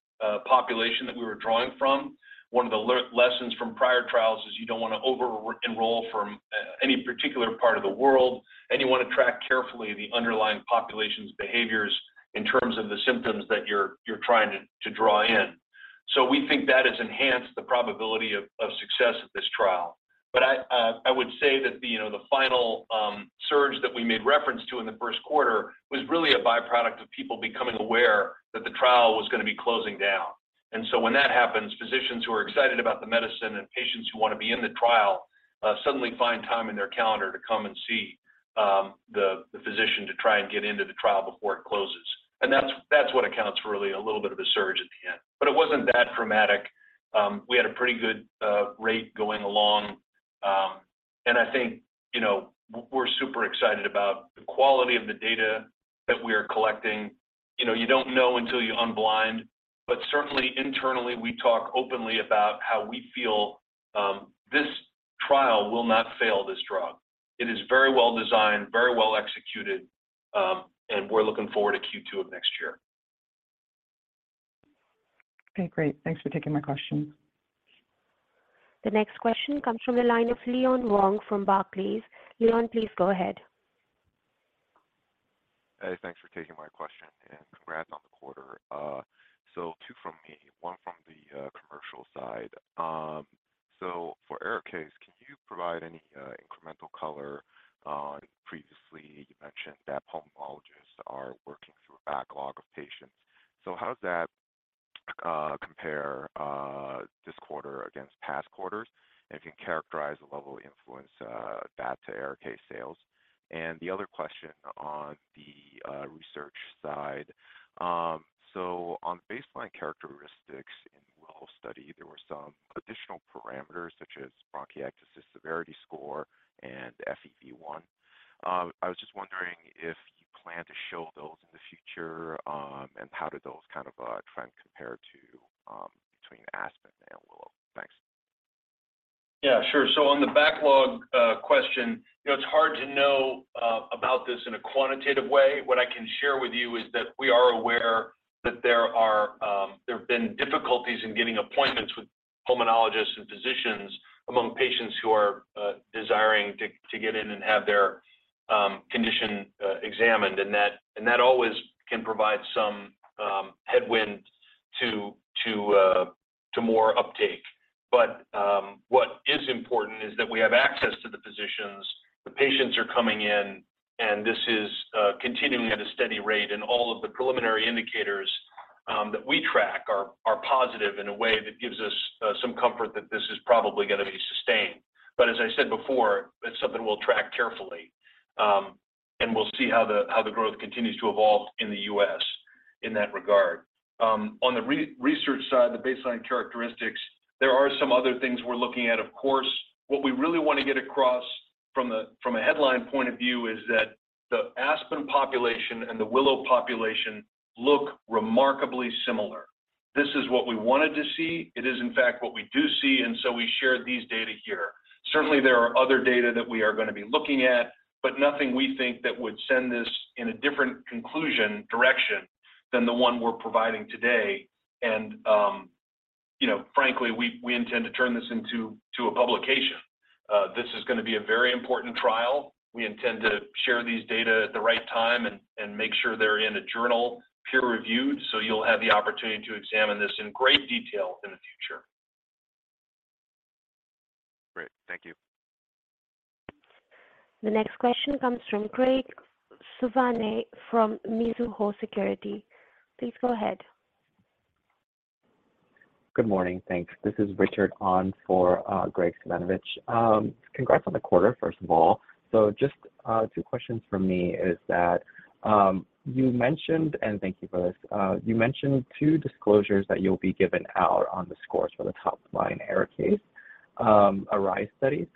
population that we were drawing from. One of the lessons from prior trials is you don't wanna over enroll from any particular part of the world, and you wanna track carefully the underlying population's behaviors in terms of the symptoms that you're trying to draw in. We think that has enhanced the probability of success of this trial. I would say that the, you know, the final surge that we made reference to in the first quarter was really a by-product of people becoming aware that the trial was gonna be closing down. When that happens, physicians who are excited about the medicine and patients who wanna be in the trial suddenly find time in their calendar to come and see the physician to try and get into the trial before it closes. That's what accounts for really a little bit of a surge at the end. It wasn't that dramatic. We had a pretty good rate going along. I think, you know, we're super excited about the quality of the data that we are collecting. You know, you don't know until you unblind. Certainly internally, we talk openly about how we feel, this trial will not fail this drug. It is very well designed, very well executed, and we're looking forward to Q2 of next year. Okay, great. Thanks for taking my question. The next question comes from the line of Leon Wang from Barclays. Leon, please go ahead. Hey, thanks for taking my question, and congrats on the quarter. Two from me, one from the commercial side. to more uptake. What is important is that we have access to the physicians. The patients are coming in, and this is continuing at a steady rate, and all of the preliminary indicators that we track are positive in a way that gives us some comfort that this is probably gonna be sustained. As I said before, it's something we'll track carefully. We'll see how the, how the growth continues to evolve in the U.S. in that regard. On the research side, the baseline characteristics, there are some other things we're looking at. Of course, what we really wanna get across from a headline point of view is that the ASPEN population and the WILLOW population look remarkably similar. This is what we wanted to see. It is in fact what we do see, and so we share these data here. Certainly, there are other data that we are going to be looking at, but nothing we think that would send this in a different conclusion direction than the one we're providing today. You know, frankly, we intend to turn this into a publication. This is going to be a very important trial. We intend to share these data at the right time and make sure they're in a journal peer-reviewed, so you'll have the opportunity to examine this in great detail in the future. Great. Thank you. The next question comes from Graig Suvannavejh from Mizuho Securities. Please go ahead. Good morning. Thanks. This is Richard on for Graig Suvannavejh. Congrats on the quarter, first of all. Just two questions from me is that you mentioned, and thank you for this, you mentioned two disclosures that you'll be given out on the scores for the top-line ARISE case—ARISE study.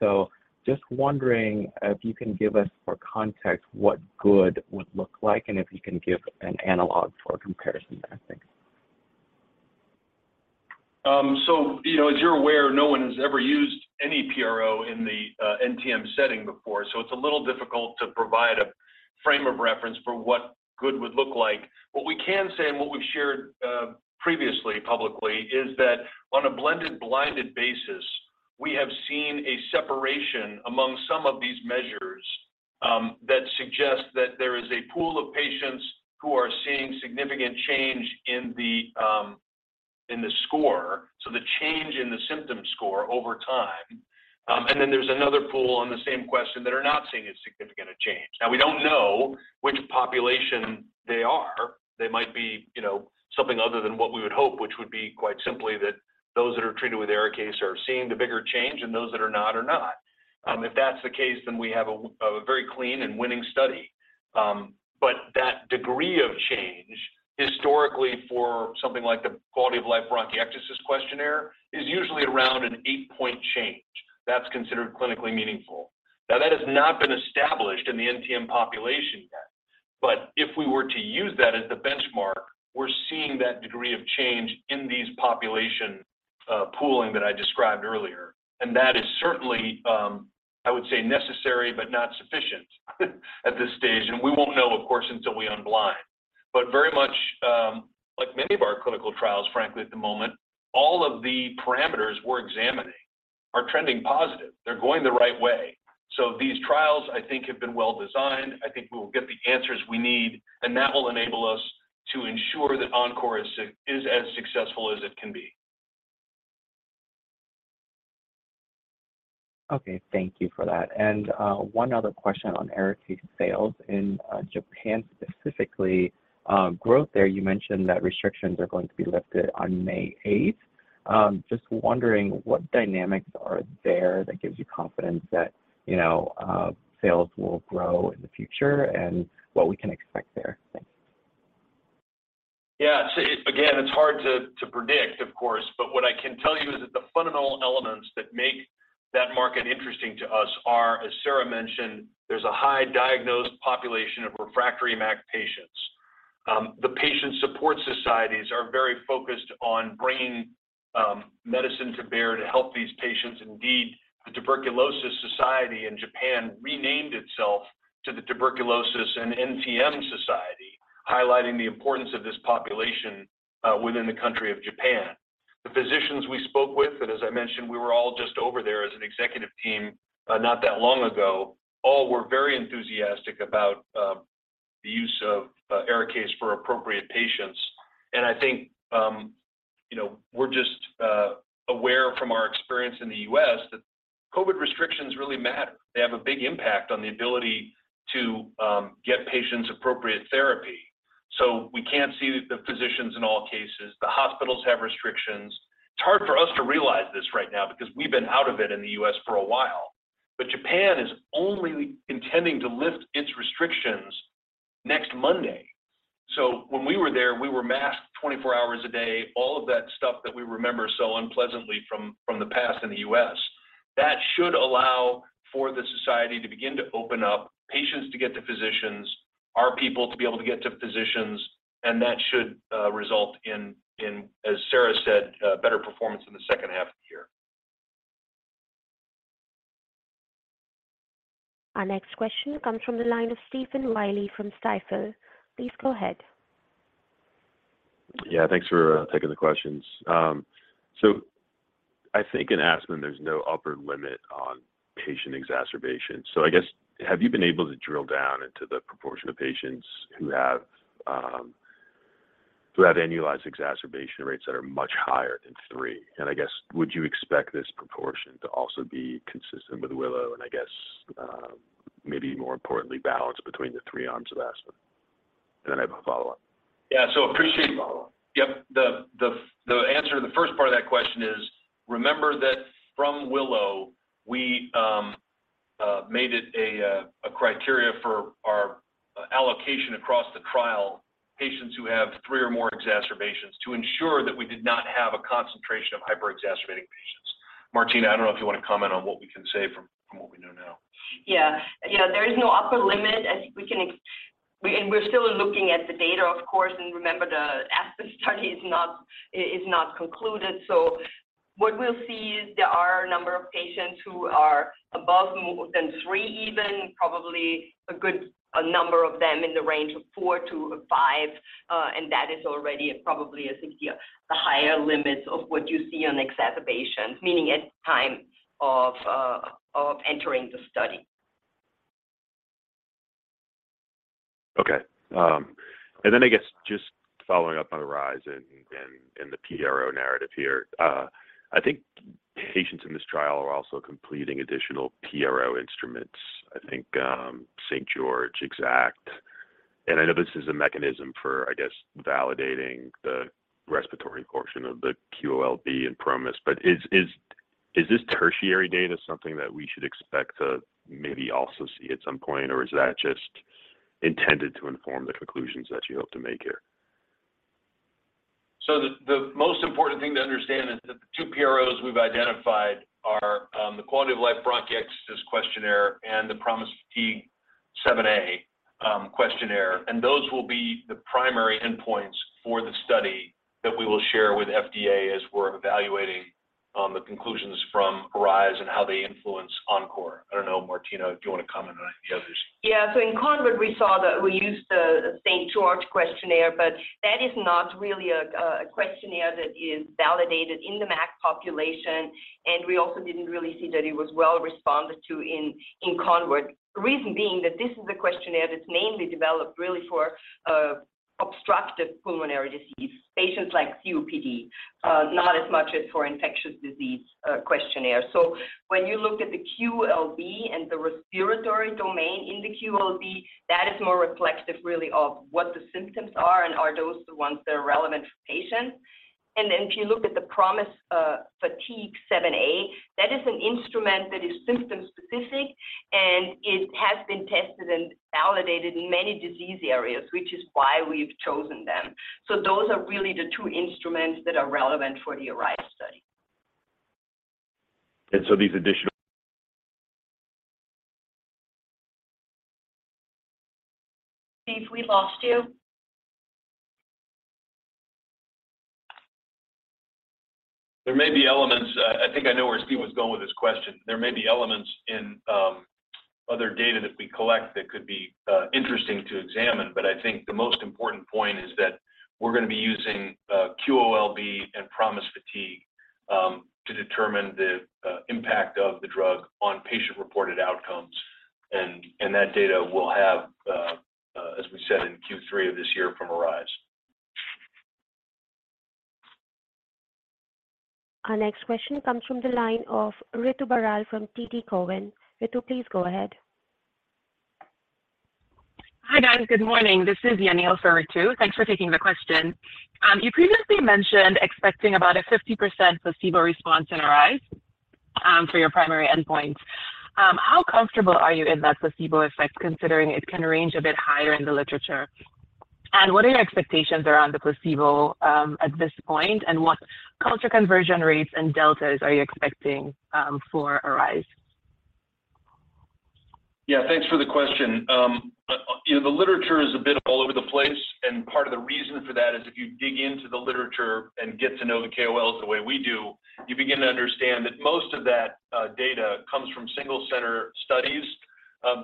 Just wondering if you can give us more context what good would look like, and if you can give an analog for comparison, I think. You know, as you're aware, no one has ever used any PRO in the NTM setting before, so it's a little difficult to provide a frame of reference for what good would look like. What we can say and what we've shared previously publicly is that on a blended blinded basis, we have seen a separation among some of these measures that suggest that there is a pool of patients who are seeing significant change in the score, so the change in the symptom score over time. There's another pool on the same question that are not seeing a significant change. Now, we don't know which population they are. They might be, you know, something other than what we would hope, which would be quite simply that those that are treated with ARISE are seeing the bigger change, and those that are not are not. If that's the case, we have a very clean and winning study. That degree of change historically for something like the Quality of Life Bronchiectasis-Questionnaire is usually around an eight-point change. That's considered clinically meaningful. That has not been established in the NTM population yet. If we were to use that as the benchmark, we're seeing that degree of change in these population pooling that I described earlier. That is certainly, I would say necessary but not sufficient at this stage. We won't know, of course, until we unblind. Very much, like many of our clinical trials, frankly, at the moment, all of the parameters we're examining are trending positive. They're going the right way. These trials, I think, have been well-designed. I think we will get the answers we need, and that will enable us to ensure that ENCORE is as successful as it can be. Okay. Thank you for that. One other question on ARISE sales in Japan specifically. Growth there, you mentioned that restrictions are going to be lifted on May 8th. Just wondering what dynamics are there that gives you confidence that, you know, sales will grow in the future and what we can expect there. Thanks. Yeah. See, again, it's hard to predict, of course, but what I can tell you is that the fundamental elements that make that market interesting to us are, as Sara mentioned, there's a high diagnosed population of refractory MAC patients. The patient support societies are very focused on bringing medicine to bear to help these patients. Indeed, the Tuberculosis Society in Japan renamed itself to the Tuberculosis and NTM Society, highlighting the importance of this population within the country of Japan. The physicians we spoke with, as I mentioned, we were all just over there as an executive team not that long ago, all were very enthusiastic about the use of ARISE for appropriate patients. I think, you know, we're just aware from our experience in the U.S. that COVID restrictions really matter. They have a big impact on the ability to get patients appropriate therapy. We can't see the physicians in all cases. The hospitals have restrictions. It's hard for us to realize this right now because we've been out of it in the U.S. for a while. Japan is only intending to lift its restrictions next Monday. When we were there, we were masked 24 hours a day, all of that stuff that we remember so unpleasantly from the past in the U.S. That should allow for the society to begin to open up, patients to get to physicians, our people to be able to get to physicians, and that should result in, as Sara said, better performance in the second half of the year. Our next question comes from the line of Stephen Willey from Stifel. Please go ahead. Yeah. Thanks for taking the questions. I think in ASPEN, there's no upper limit on patient exacerbation. I guess, have you been able to drill down into the proportion of patients who have annualized exacerbation rates that are much higher than three? I guess, would you expect this proportion to also be consistent with WILLOW, I guess, maybe more importantly, balanced between the three arms of ASPEN? Then I have a follow-up. Yeah. Follow-up. Yep. The answer to the first part of that question is, remember that from WILLOW, we made it a criteria for allocation across the trial, patients who have three or more exacerbations to ensure that we did not have a concentration of hyper-exacerbating patients. Martina, I don't know if you want to comment on what we can say from what we know now. Yeah, there is no upper limit as we can we're still looking at the data, of course, and remember the ASPEN study is not concluded. What we'll see is there are a number of patients who are above more than three even, probably a number of them in the range of four to five, and that is already probably a 60, the higher limits of what you see on exacerbations, meaning at time of entering the study. Okay. I guess just following up on the ARISE and the PRO narrative here. I think patients in this trial are also completing additional PRO instruments. I think, St. George’s, EXACT. I know this is a mechanism for, I guess, validating the respiratory portion of the QOLB and PROMIS. Is this tertiary data something that we should expect to maybe also see at some point, or is that just intended to inform the conclusions that you hope to make here? The most important thing to understand is that the two PROs we've identified are the Quality of Life Bronchiectasis-Questionnaire and the PROMIS Fatigue 7a questionnaire. Those will be the primary endpoints for the study that we will share with FDA as we're evaluating the conclusions from ARISE and how they influence ENCORE. I don't know, Martina, do you want to comment on any of this? In CONVERT we saw that we used the St. George questionnaire, but that is not really a questionnaire that is validated in the MAC population, and we also didn't really see that it was well responded to in CONVERT. The reason being that this is a questionnaire that's mainly developed really for obstructive pulmonary disease patients like COPD, not as much as for infectious disease questionnaire. When you look at the QOLB and the respiratory domain in the QOLB, that is more reflective really of what the symptoms are and are those the ones that are relevant for patients. Then if you look at the PROMIS Fatigue 7a, that is an instrument that is symptom specific, and it has been tested and validated in many disease areas, which is why we've chosen them. Those are really the two instruments that are relevant for the ARISE study. And so these additional- Steve, we lost you. There may be elements. I think I know where Steve was going with his question. There may be elements in other data that we collect that could be interesting to examine. I think the most important point is that we're going to be using QOLB and PROMIS Fatigue to determine the impact of the drug on patient-reported outcomes. That data we'll have, as we said, in Q3 of this year from ARISE. Our next question comes from the line of Ritu Baral from TD Cowen. Ritu, please go ahead. Hi, guys. Good morning. This is Yanil for Ritu. Thanks for taking the question. You previously mentioned expecting about a 50% placebo response in ARISE for your primary endpoint. How comfortable are you in that placebo effect, considering it can range a bit higher in the literature? What are your expectations around the placebo at this point, and what culture conversion rates and deltas are you expecting for ARISE? Yeah. Thanks for the question. You know, the literature is a bit all over the place, and part of the reason for that is if you dig into the literature and get to know the KOLs the way we do, you begin to understand that most of that data comes from single center studies.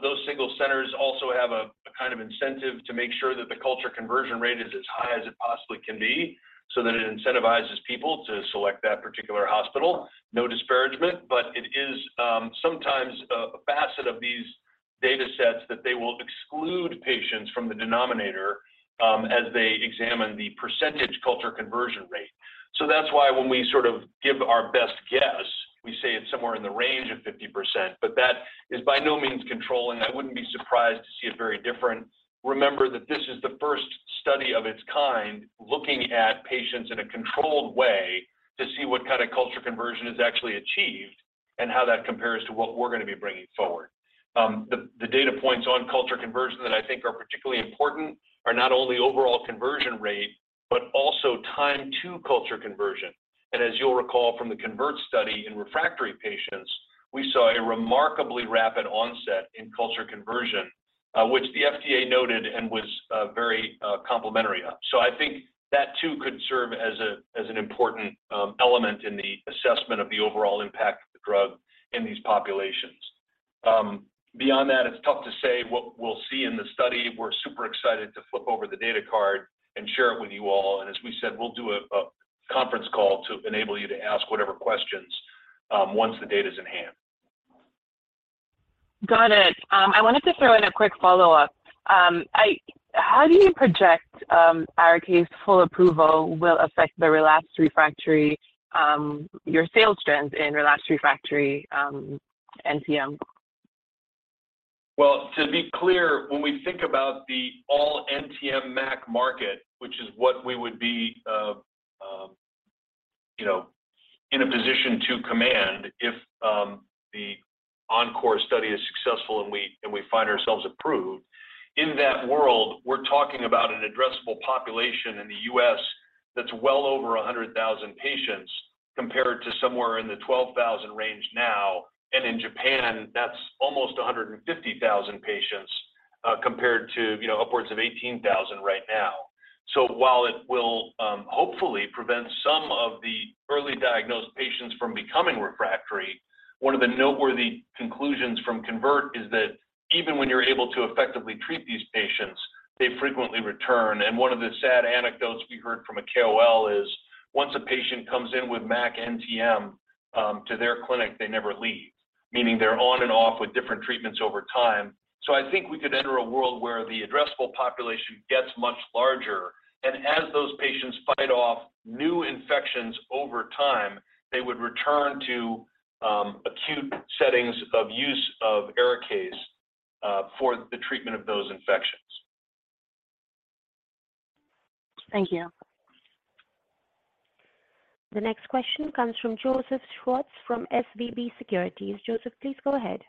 Those single centers also have a kind of incentive to make sure that the culture conversion rate is as high as it possibly can be, so that it incentivizes people to select that particular hospital. No disparagement, but it is sometimes a facet of these data sets that they will exclude patients from the denominator as they examine the percentage culture conversion rate. That's why when we sort of give our best guess, we say it's somewhere in the range of 50%, but that is by no means controlling. I wouldn't be surprised to see it very different. Remember that this is the first study of its kind looking at patients in a controlled way to see what kind of sputum culture conversion is actually achieved and how that compares to what we're going to be bringing forward. The data points on sputum culture conversion that I think are particularly important are not only overall conversion rate, but also time to sputum culture conversion. As you'll recall from the CONVERT study in refractory patients, we saw a remarkably rapid onset in sputum culture conversion, which the FDA noted and was very complimentary of. I think that too could serve as an important element in the assessment of the overall impact of the drug in these populations. Beyond that, it's tough to say what we'll see in the study. We're super excited to flip over the data card and share it with you all. As we said, we'll do a conference call to enable you to ask whatever questions once the data's in hand. Got it. I wanted to throw in a quick follow-up. How do you project ARISE full approval will affect the relapsed refractory your sales trends in relapsed refractory NTM? Well, to be clear, when we think about the all NTM MAC market, which is what we would be, you know, in a position to command if the ENCORE study is successful and we find ourselves approved. In that world, we're talking about an addressable population in the U.S. that's well over 100,000 patients compared to somewhere in the 12,000 range now. In Japan, that's almost 150,000 patients compared to, you know, upwards of 18,000 right now. While it will hopefully prevent some of the early diagnosed patients from becoming refractory, one of the noteworthy conclusions from CONVERT is that even when you're able to effectively treat these patients, they frequently return. One of the sad anecdotes we heard from a KOL is once a patient comes in with MAC NTM to their clinic, they never leave. Meaning they're on and off with different treatments over time. I think we could enter a world where the addressable population gets much larger, and as those patients fight off new infections over time, they would return to acute settings of use of ARIKAYCE for the treatment of those infections. Thank you. The next question comes from Joseph Schwartz from SVB Securities. Joseph, please go ahead.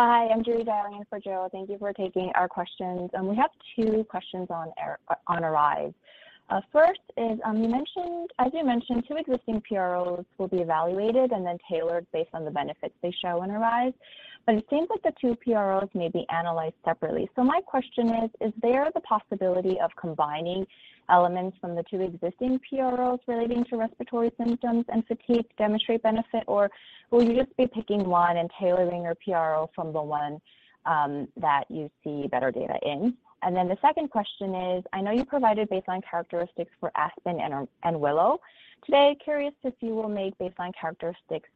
Hi, I'm Judy dialing in for Joe. Thank you for taking our questions. We have two questions on ARISE. First is, you mentioned, two existing PROs will be evaluated and then tailored based on the benefits they show in ARISE. It seems like the two PROs may be analyzed separately. My question is there the possibility of combining elements from the two existing PROs relating to respiratory symptoms and fatigue demonstrate benefit? Will you just be picking one and tailoring your PRO from the one that you see better data in? The second question is, I know you provided baseline characteristics for ASPEN and WILLOW. Today, curious if you will make baseline characteristics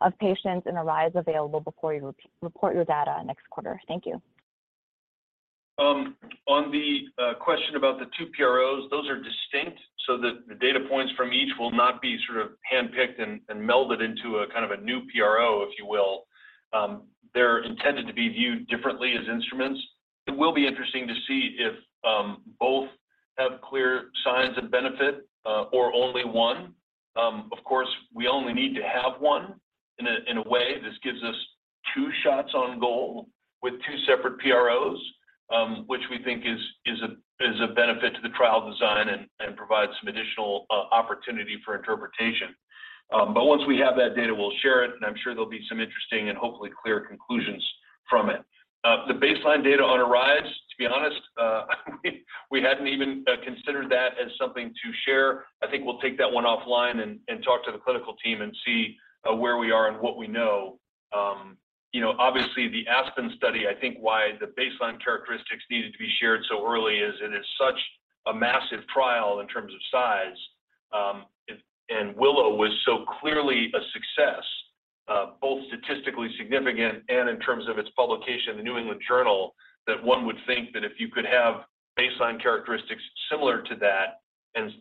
of patients in ARISE available before you report your data next quarter. Thank you. On the question about the two PROs, those are distinct so that the data points from each will not be sort of handpicked and melded into a kind of a new PRO, if you will. They're intended to be viewed differently as instruments. It will be interesting to see if both have clear signs of benefit or only one. Of course, we only need to have one. In a way, this gives us two shots on goal with two separate PROs, which we think is a benefit to the trial design and provides some additional opportunity for interpretation. Once we have that data, we'll share it, and I'm sure there'll be some interesting and hopefully clear conclusions from it. The baseline data on ARISE, to be honest, we hadn't even considered that as something to share. I think we'll take that one offline and talk to the clinical team and see where we are and what we know. You know, obviously the ASPEN study, I think why the baseline characteristics needed to be shared so early is it is such a massive trial in terms of size. WILLOW was so clearly a success, both statistically significant and in terms of its publication in the New England Journal, that one would think that if you could have baseline characteristics similar to that and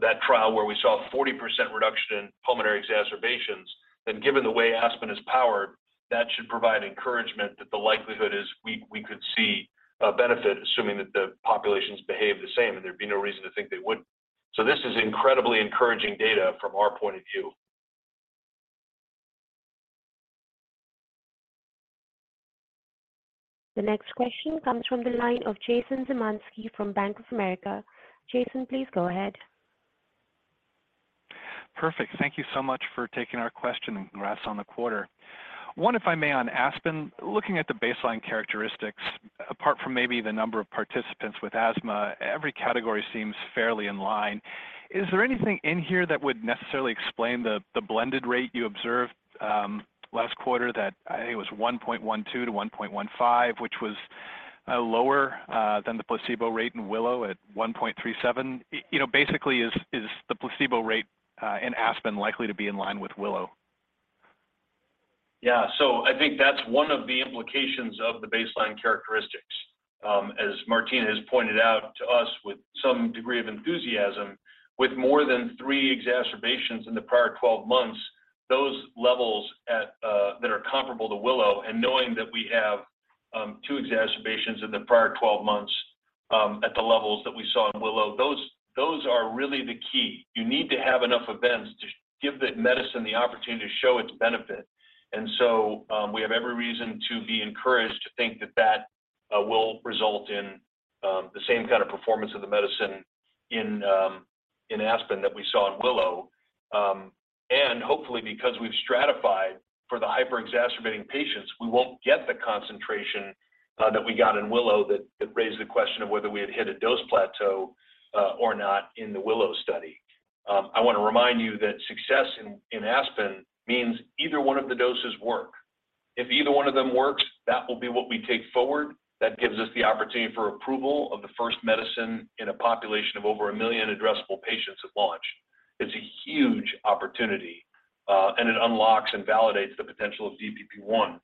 that trial where we saw a 40% reduction in pulmonary exacerbations, then given the way ASPEN is powered, that should provide encouragement that the likelihood is we could see a benefit, assuming that the populations behave the same, and there'd be no reason to think they wouldn't. This is incredibly encouraging data from our point of view. The next question comes from the line of Jason Zemansky from Bank of America. Jason, please go ahead. Perfect. Thank you so much for taking our question and congrats on the quarter. One, if I may, on ASPEN. Looking at the baseline characteristics, apart from maybe the number of participants with asthma, every category seems fairly in line. Is there anything in here that would necessarily explain the blended rate you observed last quarter that I think it was 1.12–1.15, which was lower than the placebo rate in WILLOW at 1.37? You know, basically is the placebo rate in ASPEN likely to be in line with WILLOW? Yeah. I think that's one of the implications of the baseline characteristics. As Martina has pointed out to us with some degree of enthusiasm, with more than three exacerbations in the prior 12 months, those levels at that are comparable to WILLOW and knowing that we have two exacerbations in the prior 12 months at the levels that we saw in WILLOW, those are really the key. You need to have enough events to give the medicine the opportunity to show its benefit. We have every reason to be encouraged to think that that will result in the same kind of performance of the medicine in ASPEN that we saw in WILLOW. Hopefully because we've stratified for the hyper-exacerbating patients, we won't get the concentration that we got in WILLOW that raised the question of whether we had hit a dose plateau or not in the WILLOW study. I wanna remind you that success in ASPEN means either one of the doses work. If either one of them works, that will be what we take forward. That gives us the opportunity for approval of the first medicine in a population of over one million addressable patients at launch. It's a huge opportunity, and it unlocks and validates the potential of DPP-1.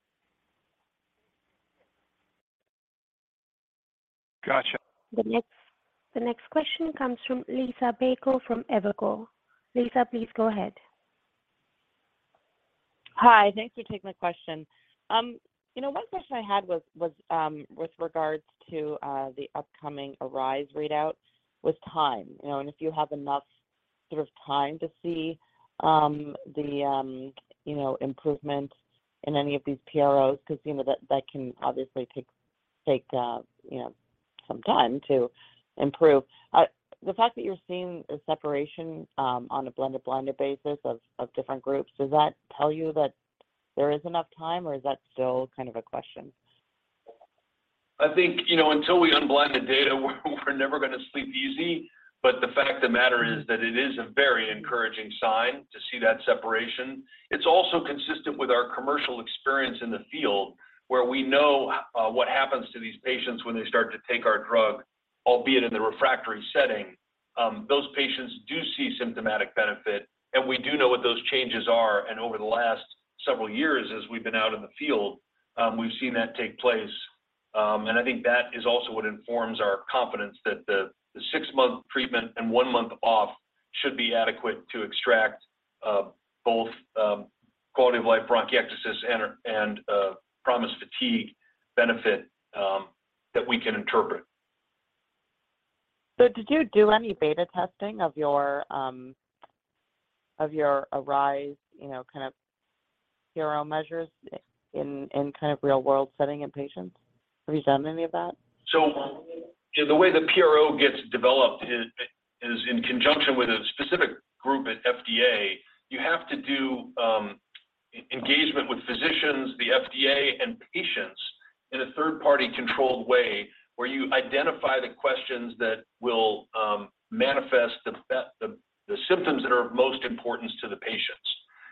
Gotcha. The next question comes from Liisa Bayko from Evercore. Lisa, please go ahead. Hi, thanks for taking my question. You know, one question I had was with regards to the upcoming ARISE readout with time. You know, if you have enough sort of time to see the, you know, improvements in any of these PROs 'cause, you know, that can obviously take, you know, some time to improve. The fact that you're seeing a separation on a blinded basis of different groups, does that tell you that there is enough time or is that still kind of a question? I think, you know, until we unblind the data, we're never gonna sleep easy. The fact of the matter is that it is a very encouraging sign to see that separation. It's also consistent with our commercial experience in the field where we know what happens to these patients when they start to take our drug, albeit in the refractory setting. Those patients do see symptomatic benefit, we do know what those changes are. Over the last several years as we've been out in the field, we've seen that take place. I think that is also what informs our confidence that the six-month treatment and one month off should be adequate to extract both Quality of Life Bronchiectasis and PROMIS fatigue benefit that we can interpret. Did you do any beta testing of your ARISE, you know, kind of PRO measures in kind of real-world setting in patients? Have you done any of that? The way the PRO gets developed is in conjunction with a specific group at FDA. You have to do engagement with physicians, the FDA, and patients in a third-party controlled way where you identify the questions that will manifest the symptoms that are of most importance to the patients.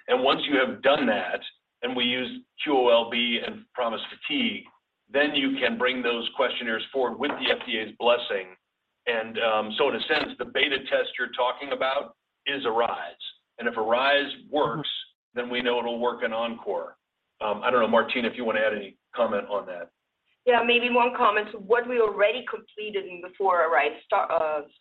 Once you have done that, and we use QOLB and PROMIS fatigue, then you can bring those questionnaires forward with the FDA's blessing. In a sense, the beta test you're talking about is ARISE. If ARISE works, then we know it'll work in ENCORE. I don't know, Martina, if you want to add any comment on that. Maybe one comment. What we already completed and before ARISE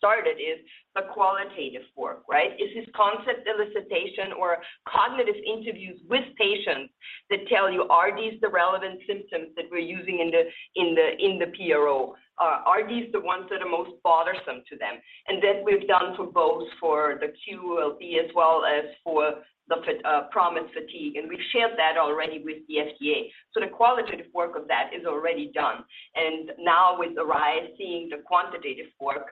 started is the qualitative work, right? Is this concept elicitation or cognitive interviews with patients that tell you, are these the relevant symptoms that we're using in the PRO? Are these the ones that are most bothersome to them? That we've done for both for the QOLB as well as for the PROMIS Fatigue, and we've shared that already with the FDA. The qualitative work of that is already done. Now with ARISE seeing the quantitative work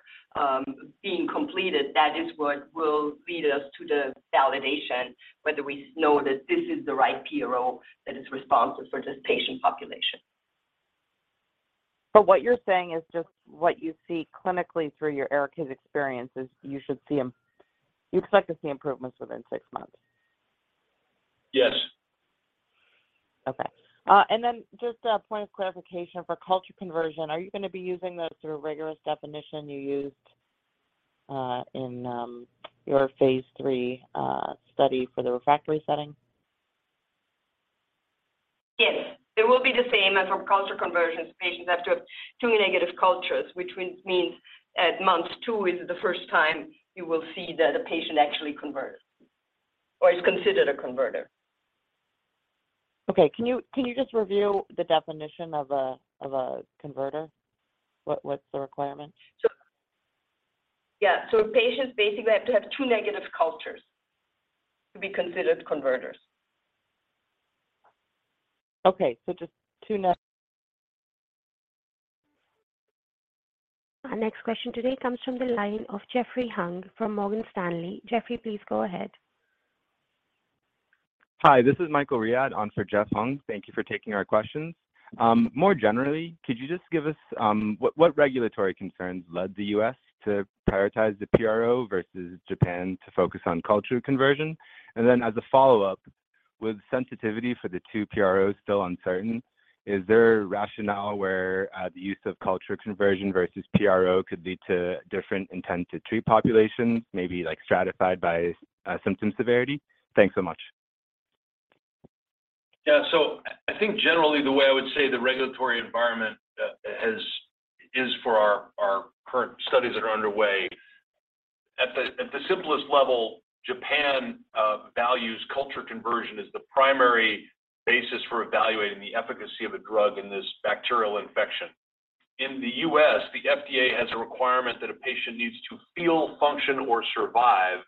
being completed, that is what will lead us to the validation, whether we know that this is the right PRO that is responsive for this patient population. What you're saying is just what you see clinically through your ARIKAYCE experiences, you should see you expect to see improvements within six months. Yes. Okay. Just a point of clarification for culture conversion, are you gonna be using the sort of rigorous definition you used in your phase III study for the refractory setting? Yes. It will be the same. For culture conversions, patients have to have two negative cultures, which means at month two is the first time you will see that a patient actually converted or is considered a converter. Okay. Can you just review the definition of a converter? What's the requirement? Yeah. Patients basically have to have two negative cultures to be considered converters. Okay. just two. Our next question today comes from the line of Jeffrey Hung from Morgan Stanley. Jeffrey, please go ahead. Hi, this is Michael Riad on for Jeff Hung. Thank you for taking our questions. More generally, could you just give us what regulatory concerns led the U.S. to prioritize the PRO versus Japan to focus on culture conversion? As a follow-up, with sensitivity for the two PROs still uncertain, is there a rationale where the use of culture conversion versus PRO could lead to different intent-to-treat populations, maybe like stratified by symptom severity? Thanks so much. Yeah. I think generally the way I would say the regulatory environment is for our current studies that are underway, at the simplest level, Japan values culture conversion as the primary basis for evaluating the efficacy of a drug in this bacterial infection. In the U.S., the FDA has a requirement that a patient needs to feel, function, or survive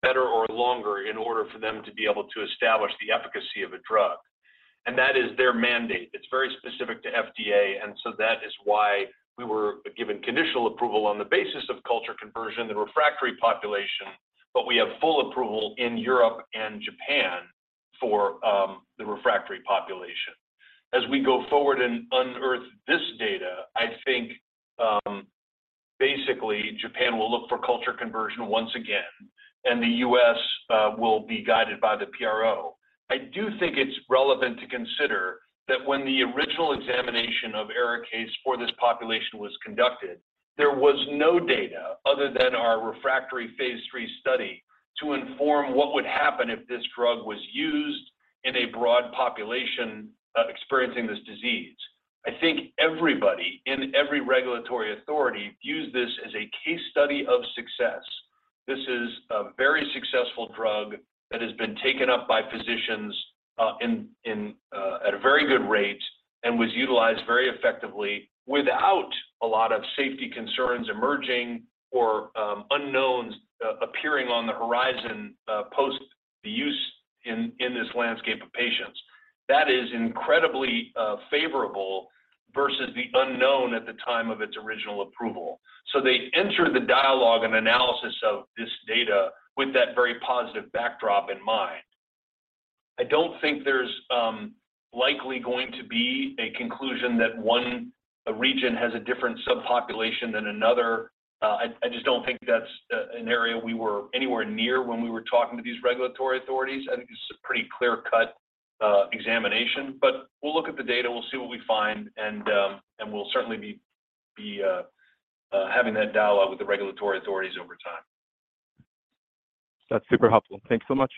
better or longer in order for them to be able to establish the efficacy of a drug. That is their mandate. It's very specific to FDA. That is why we were given conditional approval on the basis of culture conversion, the refractory population. We have full approval in Europe and Japan for the refractory population. As we go forward and unearth this data, I think, basically Japan will look for culture conversion once again. The U.S. will be guided by the PRO. I do think it's relevant to consider that when the original examination of ARIKAYCE for this population was conducted, there was no data other than our refractory phase III study to inform what would happen if this drug was used in a broad population experiencing this disease. I think everybody in every regulatory authority views this as a case study of success. This is a very successful drug that has been taken up by physicians in at a very good rate and was utilized very effectively without a lot of safety concerns emerging or unknowns appearing on the horizon post the use in this landscape of patients. That is incredibly favorable versus the unknown at the time of its original approval. They enter the dialogue and analysis of this data with that very positive backdrop in mind. I don't think there's likely going to be a conclusion that one region has a different subpopulation than another. I just don't think that's an area we were anywhere near when we were talking to these regulatory authorities. I think this is a pretty clear-cut examination. We'll look at the data, we'll see what we find, and we'll certainly be having that dialogue with the regulatory authorities over time. That's super helpful. Thanks so much.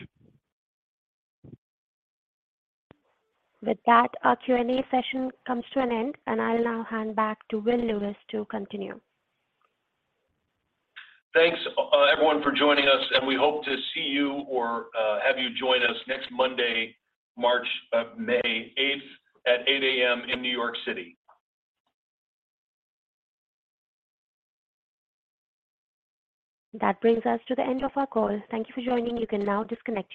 With that, our Q&A session comes to an end. I'll now hand back to Will Lewis to continue. Thanks, everyone for joining us, and we hope to see you or, have you join us next Monday, May 8th at 8:00 A.M. in New York City. That brings us to the end of our call. Thank you for joining. You can now disconnect.